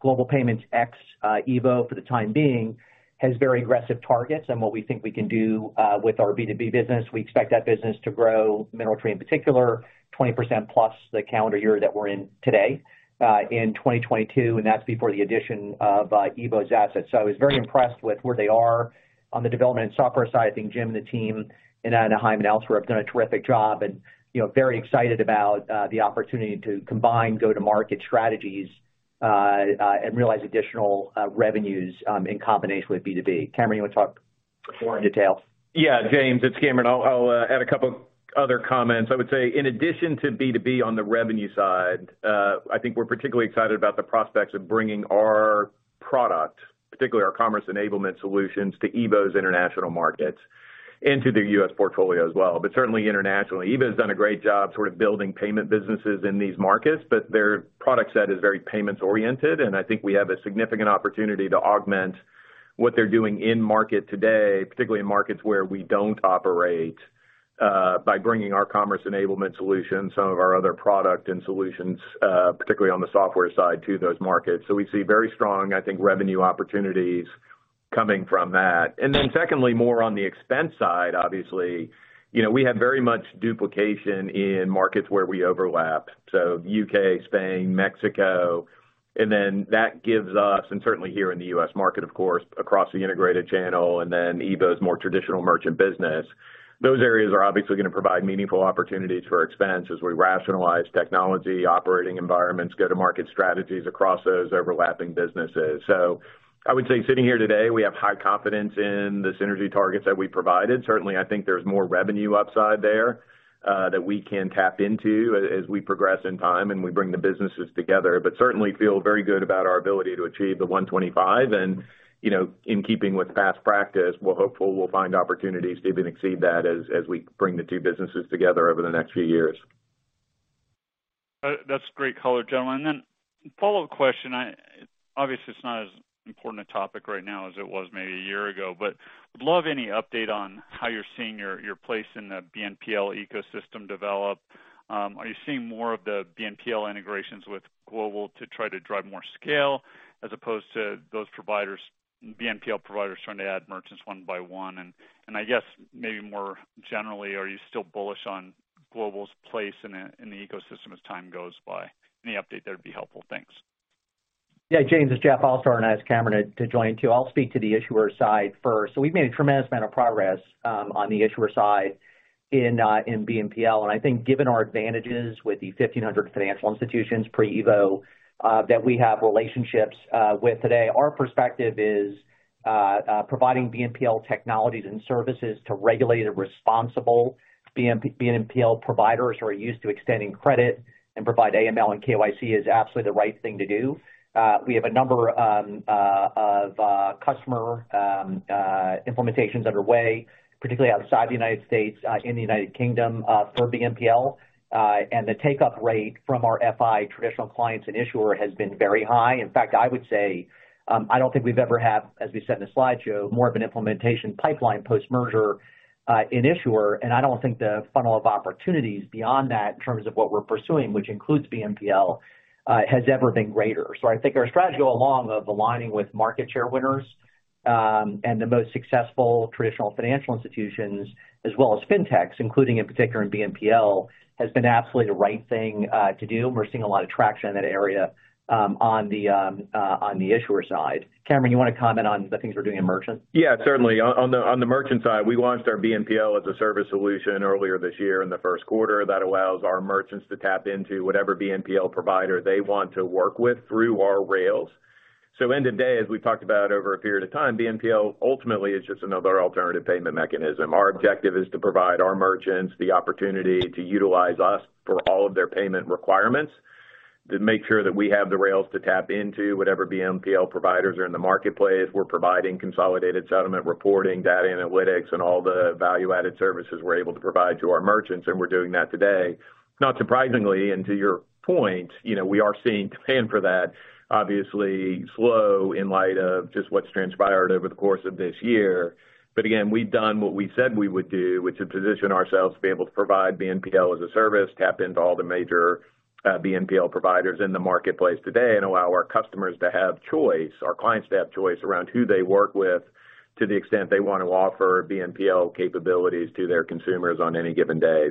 Global Payments ex EVO for the time being has very aggressive targets on what we think we can do, with our B2B business. We expect that business to grow, MineralTree in particular, 20% plus in the calendar year that we're in today, in 2022, and that's before the addition of EVO's assets. I was very impressed with where they are on the development and software side. I think Jim and the team in Anaheim and elsewhere have done a terrific job and, you know, very excited about the opportunity to combine go-to-market strategies and realize additional revenues in combination with B2B. Cameron, you wanna talk more in detail? Yeah James it's Cameron. I'll add a couple other comments. I would say in addition to B2B on the revenue side, I think we're particularly excited about the prospects of bringing our product, particularly our commerce enablement solutions, to EVO's international markets into the U.S. portfolio as well. Certainly internationally. EVO's done a great job sort of building payment businesses in these markets, but their product set is very payments oriented, and I think we have a significant opportunity to augment what they're doing in market today, particularly in markets where we don't operate, by bringing our commerce enablement solutions, some of our other product and solutions, particularly on the software side, to those markets. We see very strong, I think, revenue opportunities coming from that. Secondly, more on the expense side, obviously, you know, we have very much duplication in markets where we overlap, so U.K., Spain, Mexico, and then that gives us and certainly here in the U.S. market, of course, across the integrated channel and then EVO's more traditional merchant business. Those areas are obviously gonna provide meaningful opportunities for expense as we rationalize technology, operating environments, go-to-market strategies across those overlapping businesses. I would say sitting here today, we have high confidence in the synergy targets that we provided. Certainly, I think there's more revenue upside there that we can tap into as we progress in time and we bring the businesses together. Certainly feel very good about our ability to achieve the $125 and, you know, in keeping with past practice, we're hopeful we'll find opportunities to even exceed that as we bring the two businesses together over the next few years. That's great color, gentlemen. Follow-up question. Obviously, it's not as important a topic right now as it was maybe a year ago, but would love any update on how you're seeing your place in the BNPL ecosystem develop. Are you seeing more of the BNPL integrations with Global to try to drive more scale as opposed to those providers, BNPL providers trying to add merchants one by one? I guess maybe more generally, are you still bullish on Global's place in the ecosystem as time goes by? Any update there would be helpful. Thanks. Yeah James, it's Jeff Sloan, and I asked Cameron to join too. I'll speak to the issuer side first. We've made a tremendous amount of progress on the issuer side in BNPL. I think given our advantages with the 1,500 financial institutions pre-EVO that we have relationships with today, our perspective is providing BNPL technologies and services to regulate a responsible BNPL providers who are used to extending credit and provide AML and KYC is absolutely the right thing to do. We have a number of customer implementations underway, particularly outside the United States, in the United Kingdom, for BNPL. The take-up rate from our FI traditional clients and issuer has been very high. In fact I would say, I don't think we've ever had, as we said in the slideshow, more of an implementation pipeline post-merger, in issuer. I don't think the funnel of opportunities beyond that in terms of what we're pursuing, which includes BNPL, has ever been greater. I think our strategy all along of aligning with market share winners, and the most successful traditional financial institutions as well as Fintechs, including in particular in BNPL, has been absolutely the right thing, to do. We're seeing a lot of traction in that area, on the issuer side. Cameron, you wanna comment on the things we're doing in merchant? Yeah certainly. On the merchant side, we launched our BNPL as a service solution earlier this year in the first quarter that allows our merchants to tap into whatever BNPL provider they want to work with through our rails. End of day, as we talked about over a period of time, BNPL ultimately is just another alternative payment mechanism. Our objective is to provide our merchants the opportunity to utilize us for all of their payment requirements, to make sure that we have the rails to tap into whatever BNPL providers are in the marketplace. We're providing consolidated settlement reporting, data analytics, and all the value-added services we're able to provide to our merchants, and we're doing that today. Not surprisingly, and to your point, you know, we are seeing demand for that obviously slow in light of just what's transpired over the course of this year. Again, we've done what we said we would do, which is position ourselves to be able to provide BNPL as a service, tap into all the major, BNPL providers in the marketplace today, and allow our customers to have choice, our clients to have choice around who they work with to the extent they want to offer BNPL capabilities to their consumers on any given day.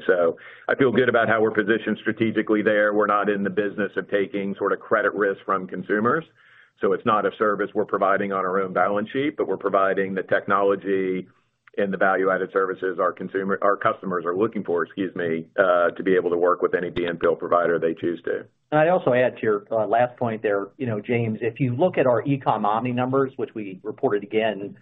I feel good about how we're positioned strategically there. We're not in the business of taking sort of credit risk from consumers, so it's not a service we're providing on our own balance sheet, but we're providing the technology and the value-added services our customers are looking for, excuse me, to be able to work with any BNPL provider they choose to. I'd also add to your last point there, you know, James, if you look at our e-com omni numbers, which we reported again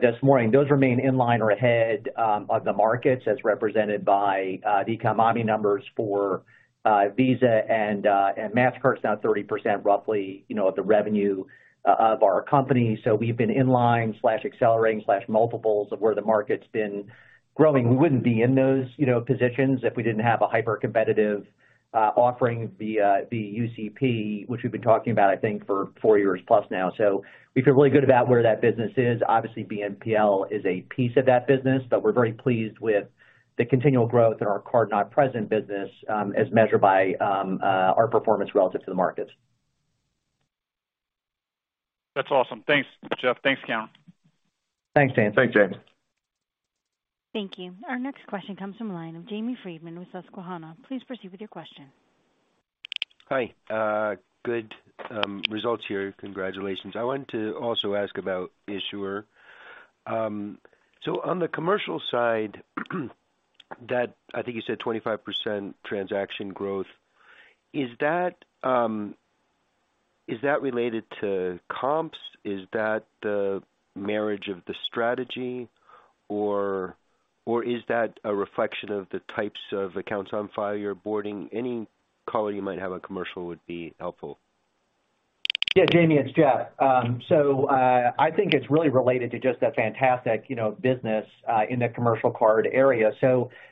this morning, those remain in line or ahead of the markets as represented by the e-com omni numbers for Visa and Mastercard's now 30% roughly, you know, of the revenue of our company. We've been in line, accelerating, multiples of where the market's been growing. We wouldn't be in those, you know, positions if we didn't have a hypercompetitive offering via the UCP, which we've been talking about, I think, for four years plus now. We feel really good about where that business is. Obviously, BNPL is a piece of that business, but we're very pleased with the continual growth in our card not present business, as measured by our performance relative to the market. That's awesome. Thanks Jeff. Thanks Cam. Thanks James. Thanks James. Thank you. Our next question comes from the line of Jamie Friedman with Susquehanna. Please proceed with your question. Hi. Good results here. Congratulations. I wanted to also ask about issuer. So on the commercial side, that I think you said 25% transaction growth, is that related to comps? Is that the merger of the strategy or is that a first reflection of the types of accounts on file you're boarding? Any color you might have on commercial would be helpful. Yeah Jamie it's Jeff. I think it's really related to just that fantastic, you know, business in the commercial card area.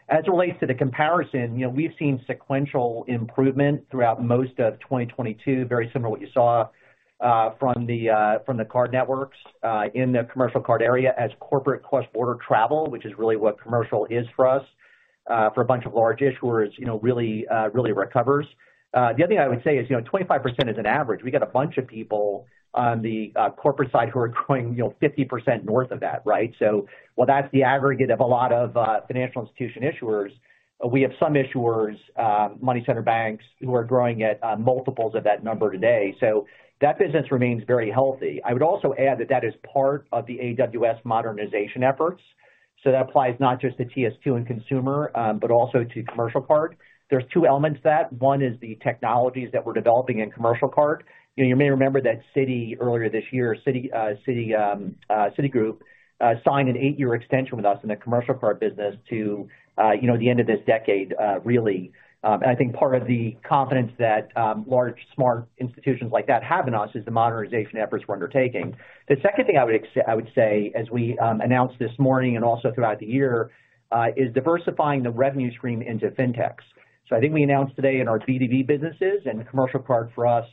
As it relates to the comparison, you know, we've seen sequential improvement throughout most of 2022, very similar to what you saw from the card networks in the commercial card area as corporate cross-border travel, which is really what commercial is for us for a bunch of large issuers, you know, really recovers. The other thing I would say is, you know, 25% is an average. We got a bunch of people on the corporate side who are growing, you know, 50% north of that, right? While that's the aggregate of a lot of financial institution issuers, we have some issuers, money center banks who are growing at multiples of that number today. That business remains very healthy. I would also add that that is part of the AWS modernization efforts. That applies not just to TS2 and consumer, but also to commercial card. There's 2 elements to that. One is the technologies that we're developing in commercial card. You know, you may remember that Citi, Citigroup signed an 8-year extension with us in the commercial card business to, you know, the end of this decade, really. I think part of the confidence that large, smart institutions like that have in us is the modernization efforts we're undertaking. The second thing I would say, as we announced this morning and also throughout the year, is diversifying the revenue stream into Fintechs. I think we announced today in our B2B businesses and the commercial card for us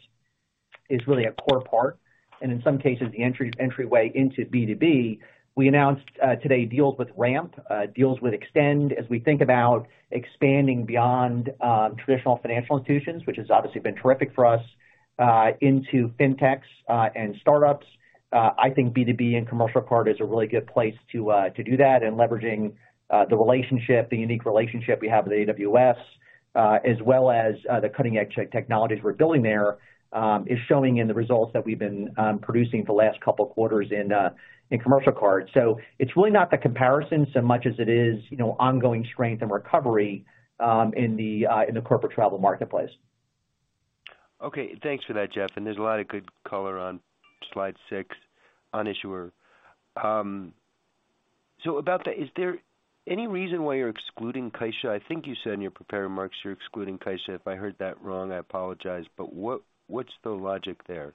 is really a core part, and in some cases, the entryway into B2B. We announced today deals with Ramp, deals with Extend as we think about expanding beyond traditional financial institutions, which has obviously been terrific for us, into Fintechs and startups. I think B2B and commercial card is a really good place to do that and leveraging the relationship, the unique relationship we have with AWS, as well as the cutting-edge check technologies we're building there, is showing in the results that we've been producing for the last couple of quarters in commercial cards. It's really not the comparison so much as it is, you know, ongoing strength and recovery in the corporate travel marketplace. Okay. Thanks for that Jeff. There's a lot of good color on slide 6 on issuer. About that, is there any reason why you're excluding CaixaBank? I think you said in your prepared remarks you're excluding CaixaBank. If I heard that wrong, I apologize. What's the logic there?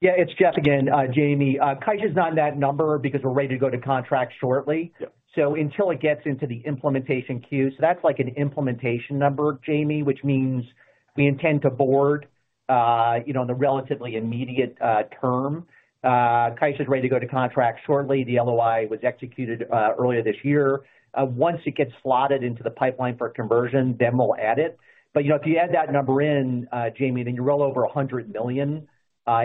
Yeah it's Jeff again Jamie. CaixaBank is not in that number because we're ready to go to contract shortly. Yep. Until it gets into the implementation queue. That's like an implementation number, Jamie, which means we intend to board, you know, in the relatively immediate term. CaixaBank is ready to go to contract shortly. The LOI was executed earlier this year. Once it gets slotted into the pipeline for conversion, then we'll add it. But, you know, if you add that number in, Jamie, then you roll over $100 million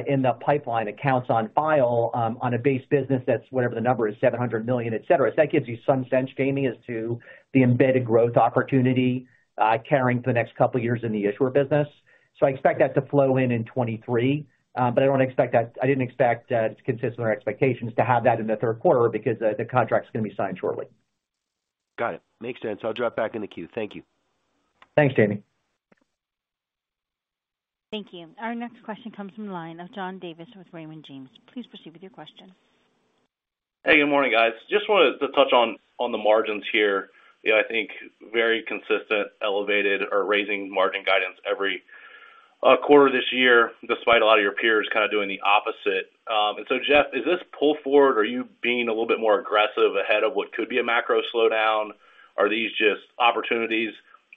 in the pipeline accounts on file, on a base business that's whatever the number is, $700 million, et cetera. That gives you some sense, Jamie, as to the embedded growth opportunity carrying for the next couple of years in the issuer business. I expect that to flow in in 2023. I didn't expect it's consistent with our expectations to have that in the third quarter because the contract is gonna be signed shortly. Got it. Makes sense. I'll drop back in the queue. Thank you. Thanks Jamie. Thank you. Our next question comes from the line of John Davis with Raymond James. Please proceed with your question. Hey good morning guys. Just wanted to touch on the margins here. You know, I think very consistent, elevated or raising margin guidance every quarter this year, despite a lot of your peers kind of doing the opposite. Jeff, is this pull forward? Are you being a little bit more aggressive ahead of what could be a macro slowdown? Are these just opportunities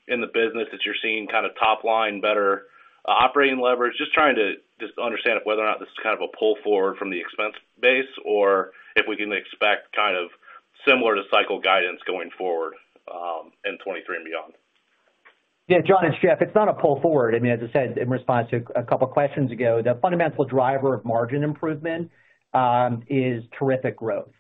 in the business that you're seeing kind of top line better operating leverage? Just trying to understand if whether or not this is kind of a pull forward from the expense base or if we can expect kind of similar to cycle guidance going forward in 2023 and beyond. Yeah John, it's Jeff. It's not a pull forward. I mean, as I said in response to a couple of questions ago, the fundamental driver of margin improvement is terrific growth.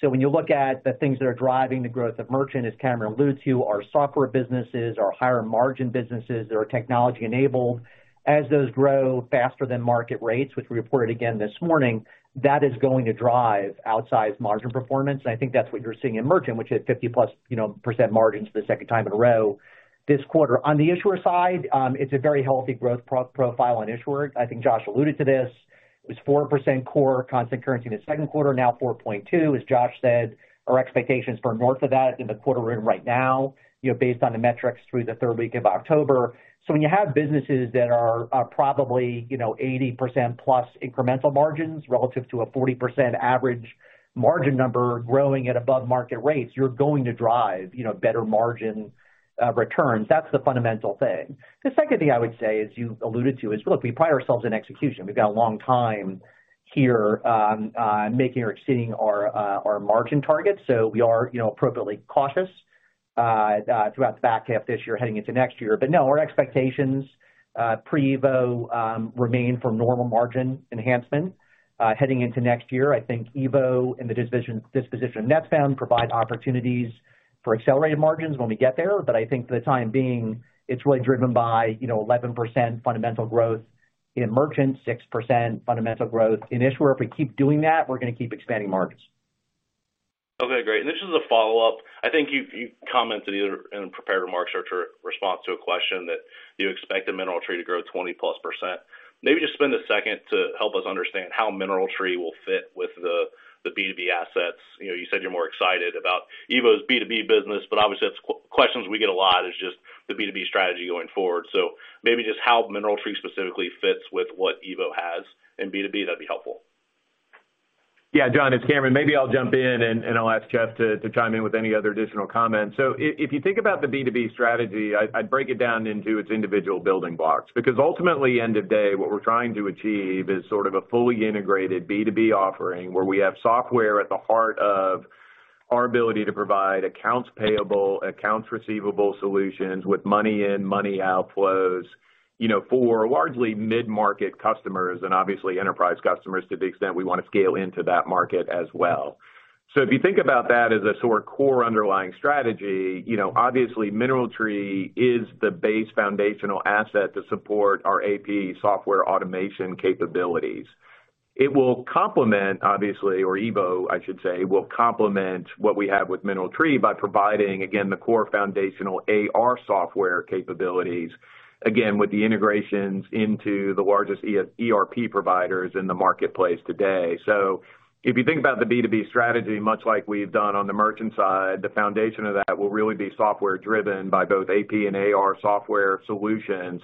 So when you look at the things that are driving the growth of merchant, as Cameron alludes to, our software businesses, our higher margin businesses that are technology-enabled. As those grow faster than market rates, which we reported again this morning, that is going to drive outsized margin performance. I think that's what you're seeing in merchant, which is 50%+, you know, margins for the second time in a row this quarter. On the issuer side, it's a very healthy growth profile on issuer. I think Josh alluded to this. It was 4% core constant currency in the second quarter, now 4.2. As Josh said, our expectations for north of that in the quarter we're in right now, you know, based on the metrics through the third week of October. When you have businesses that are probably, you know, 80%+ incremental margins relative to a 40% average margin number growing at above market rates, you're going to drive, you know, better margin returns. That's the fundamental thing. The second thing I would say, as you alluded to, is, look, we pride ourselves in execution. We've got a long time here making or exceeding our margin targets. We are, you know, appropriately cautious throughout the back half this year heading into next year. No, our expectations pre-EVO remain for normal margin enhancement heading into next year. I think EVO and the disposition of Netspend provide opportunities for accelerated margins when we get there. I think for the time being, it's really driven by, you know, 11% fundamental growth in merchant, 6% fundamental growth in issuer. If we keep doing that, we're gonna keep expanding margins. Okay great. This is a follow-up. I think you've commented either in prepared remarks or in response to a question that you expect MineralTree to grow 20%+. Maybe just spend a second to help us understand how MineralTree will fit with the B2B assets. You know, you said you're more excited about EVO's B2B business, but obviously that's the question we get a lot is just the B2B strategy going forward. Maybe just how MineralTree specifically fits with what EVO has in B2B, that'd be helpful. Yeah John, it's Cameron Bready. Maybe I'll jump in and I'll ask Jeff Sloan to chime in with any other additional comments. If you think about the B2B strategy, I'd break it down into its individual building blocks, because ultimately, end of day, what we're trying to achieve is sort of a fully integrated B2B offering where we have software at the heart of our ability to provide accounts payable, accounts receivable solutions with money in, money outflows, you know, for largely mid-market customers and obviously enterprise customers to the extent we want to scale into that market as well. If you think about that as a sort of core underlying strategy, you know, obviously, MineralTree is the base foundational asset to support our AP software automation capabilities. It will complement obviously, or EVO, I should say, will complement what we have with MineralTree by providing, again, the core foundational AR software capabilities, again, with the integrations into the largest ERP providers in the marketplace today. So if you think about the B2B strategy, much like we've done on the merchant side, the foundation of that will really be software driven by both AP and AR software solutions.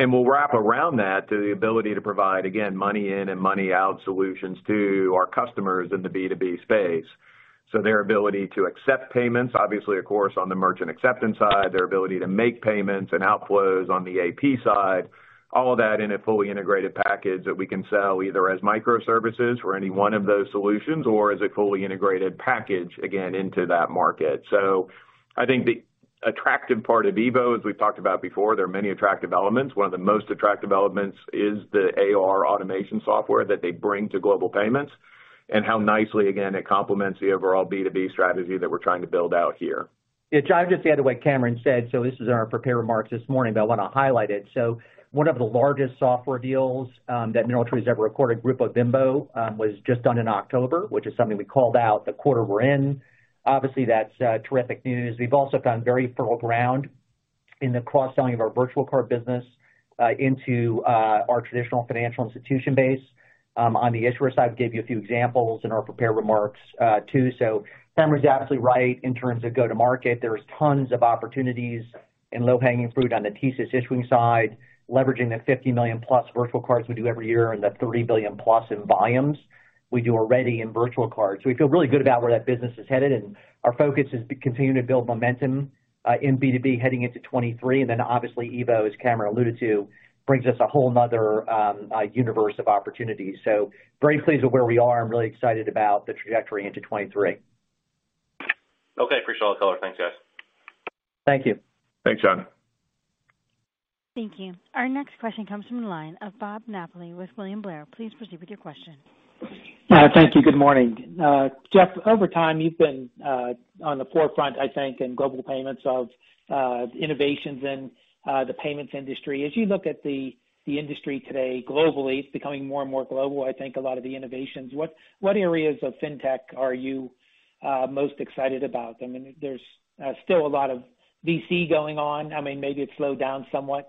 We'll wrap around that to the ability to provide, again, money in and money out solutions to our customers in the B2B space. Their ability to accept payments, obviously, of course, on the merchant acceptance side, their ability to make payments and outflows on the AP side, all of that in a fully integrated package that we can sell either as microservices for any one of those solutions or as a fully integrated package, again, into that market. I think the attractive part of EVO, as we've talked about before, there are many attractive elements. One of the most attractive elements is the AR automation software that they bring to Global Payments. How nicely again, it complements the overall B2B strategy that we're trying to build out here. Yeah Josh, just to add to what Cameron said, this is in our prepared remarks this morning, but I wanna highlight it. One of the largest software deals that MineralTree has ever recorded, Grupo Bimbo, was just done in October, which is something we called out the quarter we're in. Obviously, that's terrific news. We've also found very fertile ground in the cross-selling of our virtual card business into our traditional financial institution base. On the issuer side, I gave you a few examples in our prepared remarks too. Cameron's absolutely right in terms of go-to-market. There's tons of opportunities and low-hanging fruit on the TSYS issuer side, leveraging the 50+ million virtual cards we do every year and the $30+ billion in volumes we do already in virtual cards. We feel really good about where that business is headed, and our focus is to continue to build momentum in B2B heading into 2023. Obviously, EVO, as Cameron alluded to, brings us a whole 'nother universe of opportunities. Very pleased with where we are and really excited about the trajectory into 2023. Okay. Appreciate all the color. Thanks, guys. Thank you. Thanks John. Thank you. Our next question comes from the line of Bob Napoli with William Blair. Please proceed with your question. Thank you. Good morning. Jeff, over time you've been on the forefront, I think, in Global Payments of innovations in the payments industry. As you look at the industry today globally, it's becoming more and more global. I think a lot of the innovations. What areas of fintech are you most excited about? I mean, there's still a lot of VC going on. I mean, maybe it's slowed down somewhat.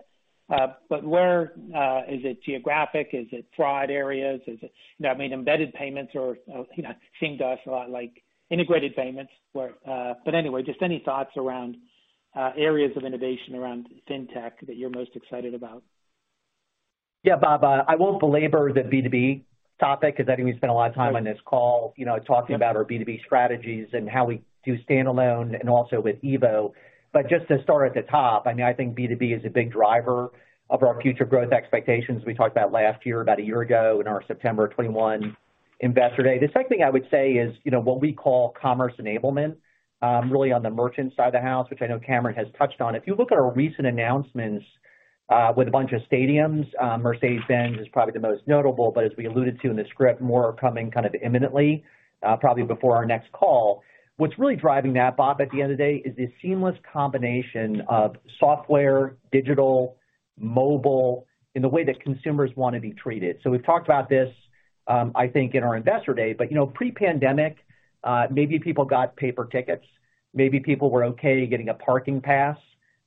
Is it geographic? Is it fraud areas? Is it fraud areas? You know, I mean, embedded payments are, you know, seem to us a lot like integrated payments were. Just any thoughts around areas of innovation around fintech that you're most excited about. Yeah Bob, I won't belabor the B2B topic because I think we spent a lot of time on this call, you know, talking about our B2B strategies and how we do standalone and also with EVO. Just to start at the top, I mean, I think B2B is a big driver of our future growth expectations. We talked about last year, about a year ago in our September 2021 Investor Day. The second thing I would say is, you know, what we call commerce enablement, really on the merchant side of the house, which I know Cameron has touched on. If you look at our recent announcements, with a bunch of stadiums, Mercedes-Benz is probably the most notable, but as we alluded to in the script, more are coming kind of imminently, probably before our next call. What's really driving that, Bob, at the end of the day is the seamless combination of software, digital, mobile in the way that consumers wanna be treated. We've talked about this, I think in our Investor Day, but, you know, pre-pandemic, maybe people got paper tickets. Maybe people were okay getting a parking pass.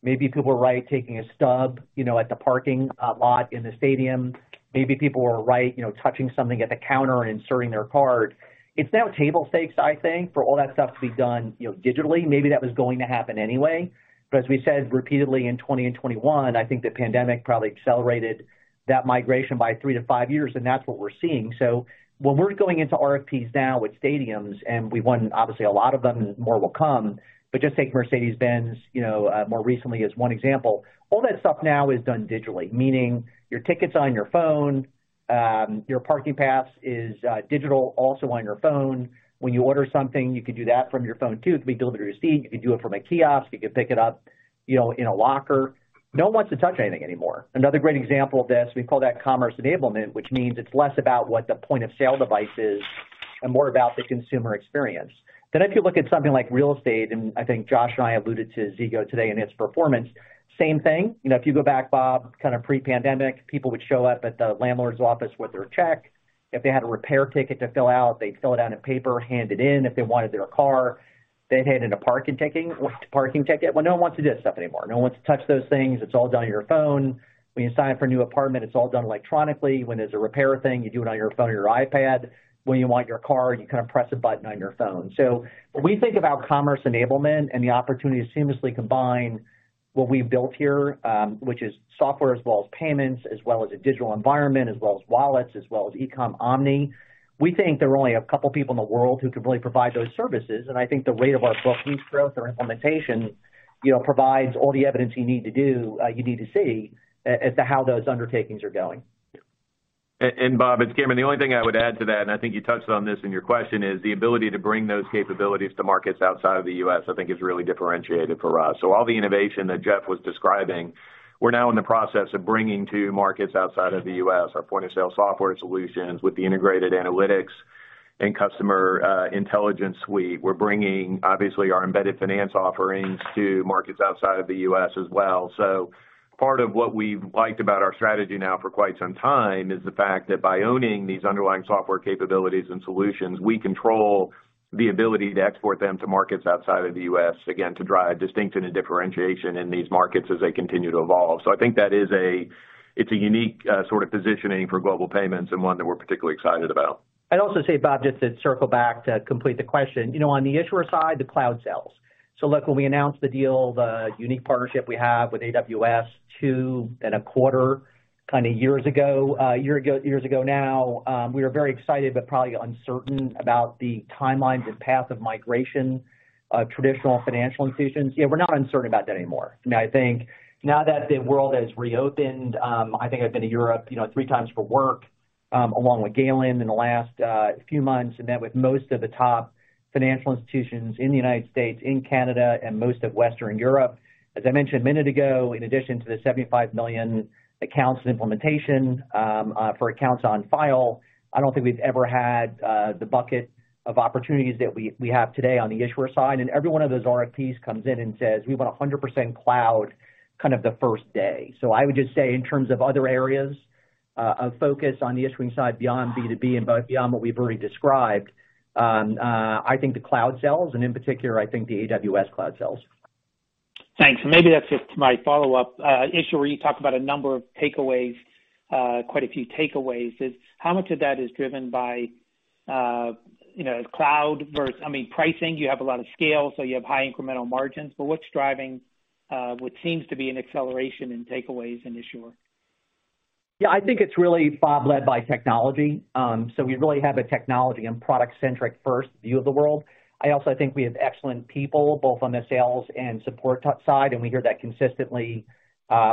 Maybe people were right taking a stub, you know, at the parking lot in the stadium. Maybe people were right, you know, touching something at the counter and inserting their card. It's now table stakes, I think, for all that stuff to be done, you know, digitally. Maybe that was going to happen anyway. As we said repeatedly in 2020 and 2021, I think the pandemic probably accelerated that migration by 3-5 years, and that's what we're seeing. When we're going into RFPs now with stadiums and we won obviously a lot of them, more will come. Just take Mercedes-Benz, you know, more recently as one example. All that stuff now is done digitally, meaning your ticket's on your phone. Your parking pass is digital also on your phone. When you order something, you can do that from your phone, too. It can be delivered to your seat. You can do it from a kiosk. You can pick it up, you know, in a locker. No one wants to touch anything anymore. Another great example of this, we call that commerce enablement, which means it's less about what the point of sale device is and more about the consumer experience. If you look at something like real estate, and I think Josh and I alluded to Zego today and its performance, same thing. You know, if you go back, Bob, kinda pre-pandemic, people would show up at the landlord's office with their check. If they had a repair ticket to fill out, they'd fill it out on paper, hand it in. If they wanted their car, they'd hand in a parking ticket. Well, no one wants to do that stuff anymore. No one wants to touch those things. It's all done on your phone. When you sign up for a new apartment, it's all done electronically. When there's a repair thing, you do it on your phone or your iPad. When you want your car, you kinda press a button on your phone. When we think about commerce enablement and the opportunity to seamlessly combine what we've built here, which is software as well as payments, as well as a digital environment, as well as wallets, as well as e-com omni, we think there are only a couple people in the world who can really provide those services, and I think the rate of our booking growth or implementation, you know, provides all the evidence you need to see as to how those undertakings are going. Bob it's Cameron. The only thing I would add to that, and I think you touched on this in your question, is the ability to bring those capabilities to markets outside of the U.S., I think is really differentiated for us. All the innovation that Jeff was describing, we're now in the process of bringing to markets outside of the U.S. our point of sale software solutions with the integrated analytics and customer intelligence suite. We're bringing obviously our embedded finance offerings to markets outside of the U.S. as well. Part of what we've liked about our strategy now for quite some time is the fact that by owning these underlying software capabilities and solutions, we control the ability to export them to markets outside of the U.S., again, to drive distinction and differentiation in these markets as they continue to evolve. I think it's a unique, sort of positioning for Global Payments and one that we're particularly excited about. I'd also say, Bob just to circle back to complete the question. You know, on the issuer side, the cloud sells. Look, when we announced the deal, the unique partnership we have with AWS 2.25 kind of years ago now, we were very excited but probably uncertain about the timelines and path of migration of traditional financial institutions. Yeah, we're not uncertain about that anymore. I mean, I think now that the world has reopened, I think I've been to Europe, you know, three times for work, along with Galen in the last few months, and met with most of the top financial institutions in the United States, in Canada, and most of Western Europe. As I mentioned a minute ago, in addition to the 75 million accounts and implementation for accounts on file, I don't think we've ever had the bucket of opportunities that we have today on the issuer side. Every one of those RFPs comes in and says, "We want 100% cloud," kind of the first day. I would just say in terms of other areas of focus on the issuing side beyond B2B and both beyond what we've already described, I think the cloud sells, and in particular, I think the AWS cloud sells. Thanks Maybe that's just my follow-up. Issuer, you talked about a number of takeaways, quite a few takeaways. Is how much of that driven by, you know, cloud versus, I mean, pricing. You have a lot of scale, so you have high incremental margins, but what's driving what seems to be an acceleration in takeaways in issuer? Yeah I think it's really, Bob, led by technology. We really have a technology and product-centric first view of the world. I also think we have excellent people both on the sales and support side, and we hear that consistently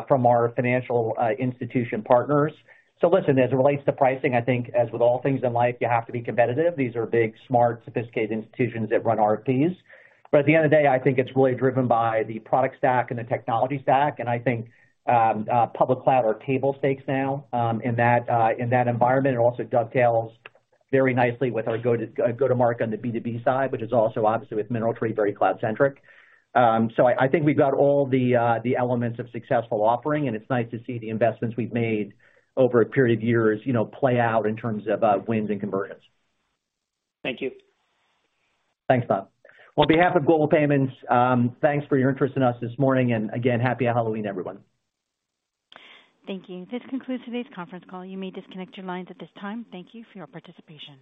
from our financial institution partners. Listen, as it relates to pricing, I think as with all things in life, you have to be competitive. These are big, smart, sophisticated institutions that run RFPs. At the end of the day, I think it's really driven by the product stack and the technology stack. I think public cloud are table stakes now in that environment. It also dovetails very nicely with our go-to-market on the B2B side, which is also obviously with MineralTree, very cloud-centric. I think we've got all the elements of successful offering, and it's nice to see the investments we've made over a period of years, you know, play out in terms of wins and conversions. Thank you. Thanks Bob. On behalf of Global Payments, thanks for your interest in us this morning, and again, Happy Halloween, everyone. Thank you this concludes today's conference call. You may disconnect your lines at this time. Thank you for your participation.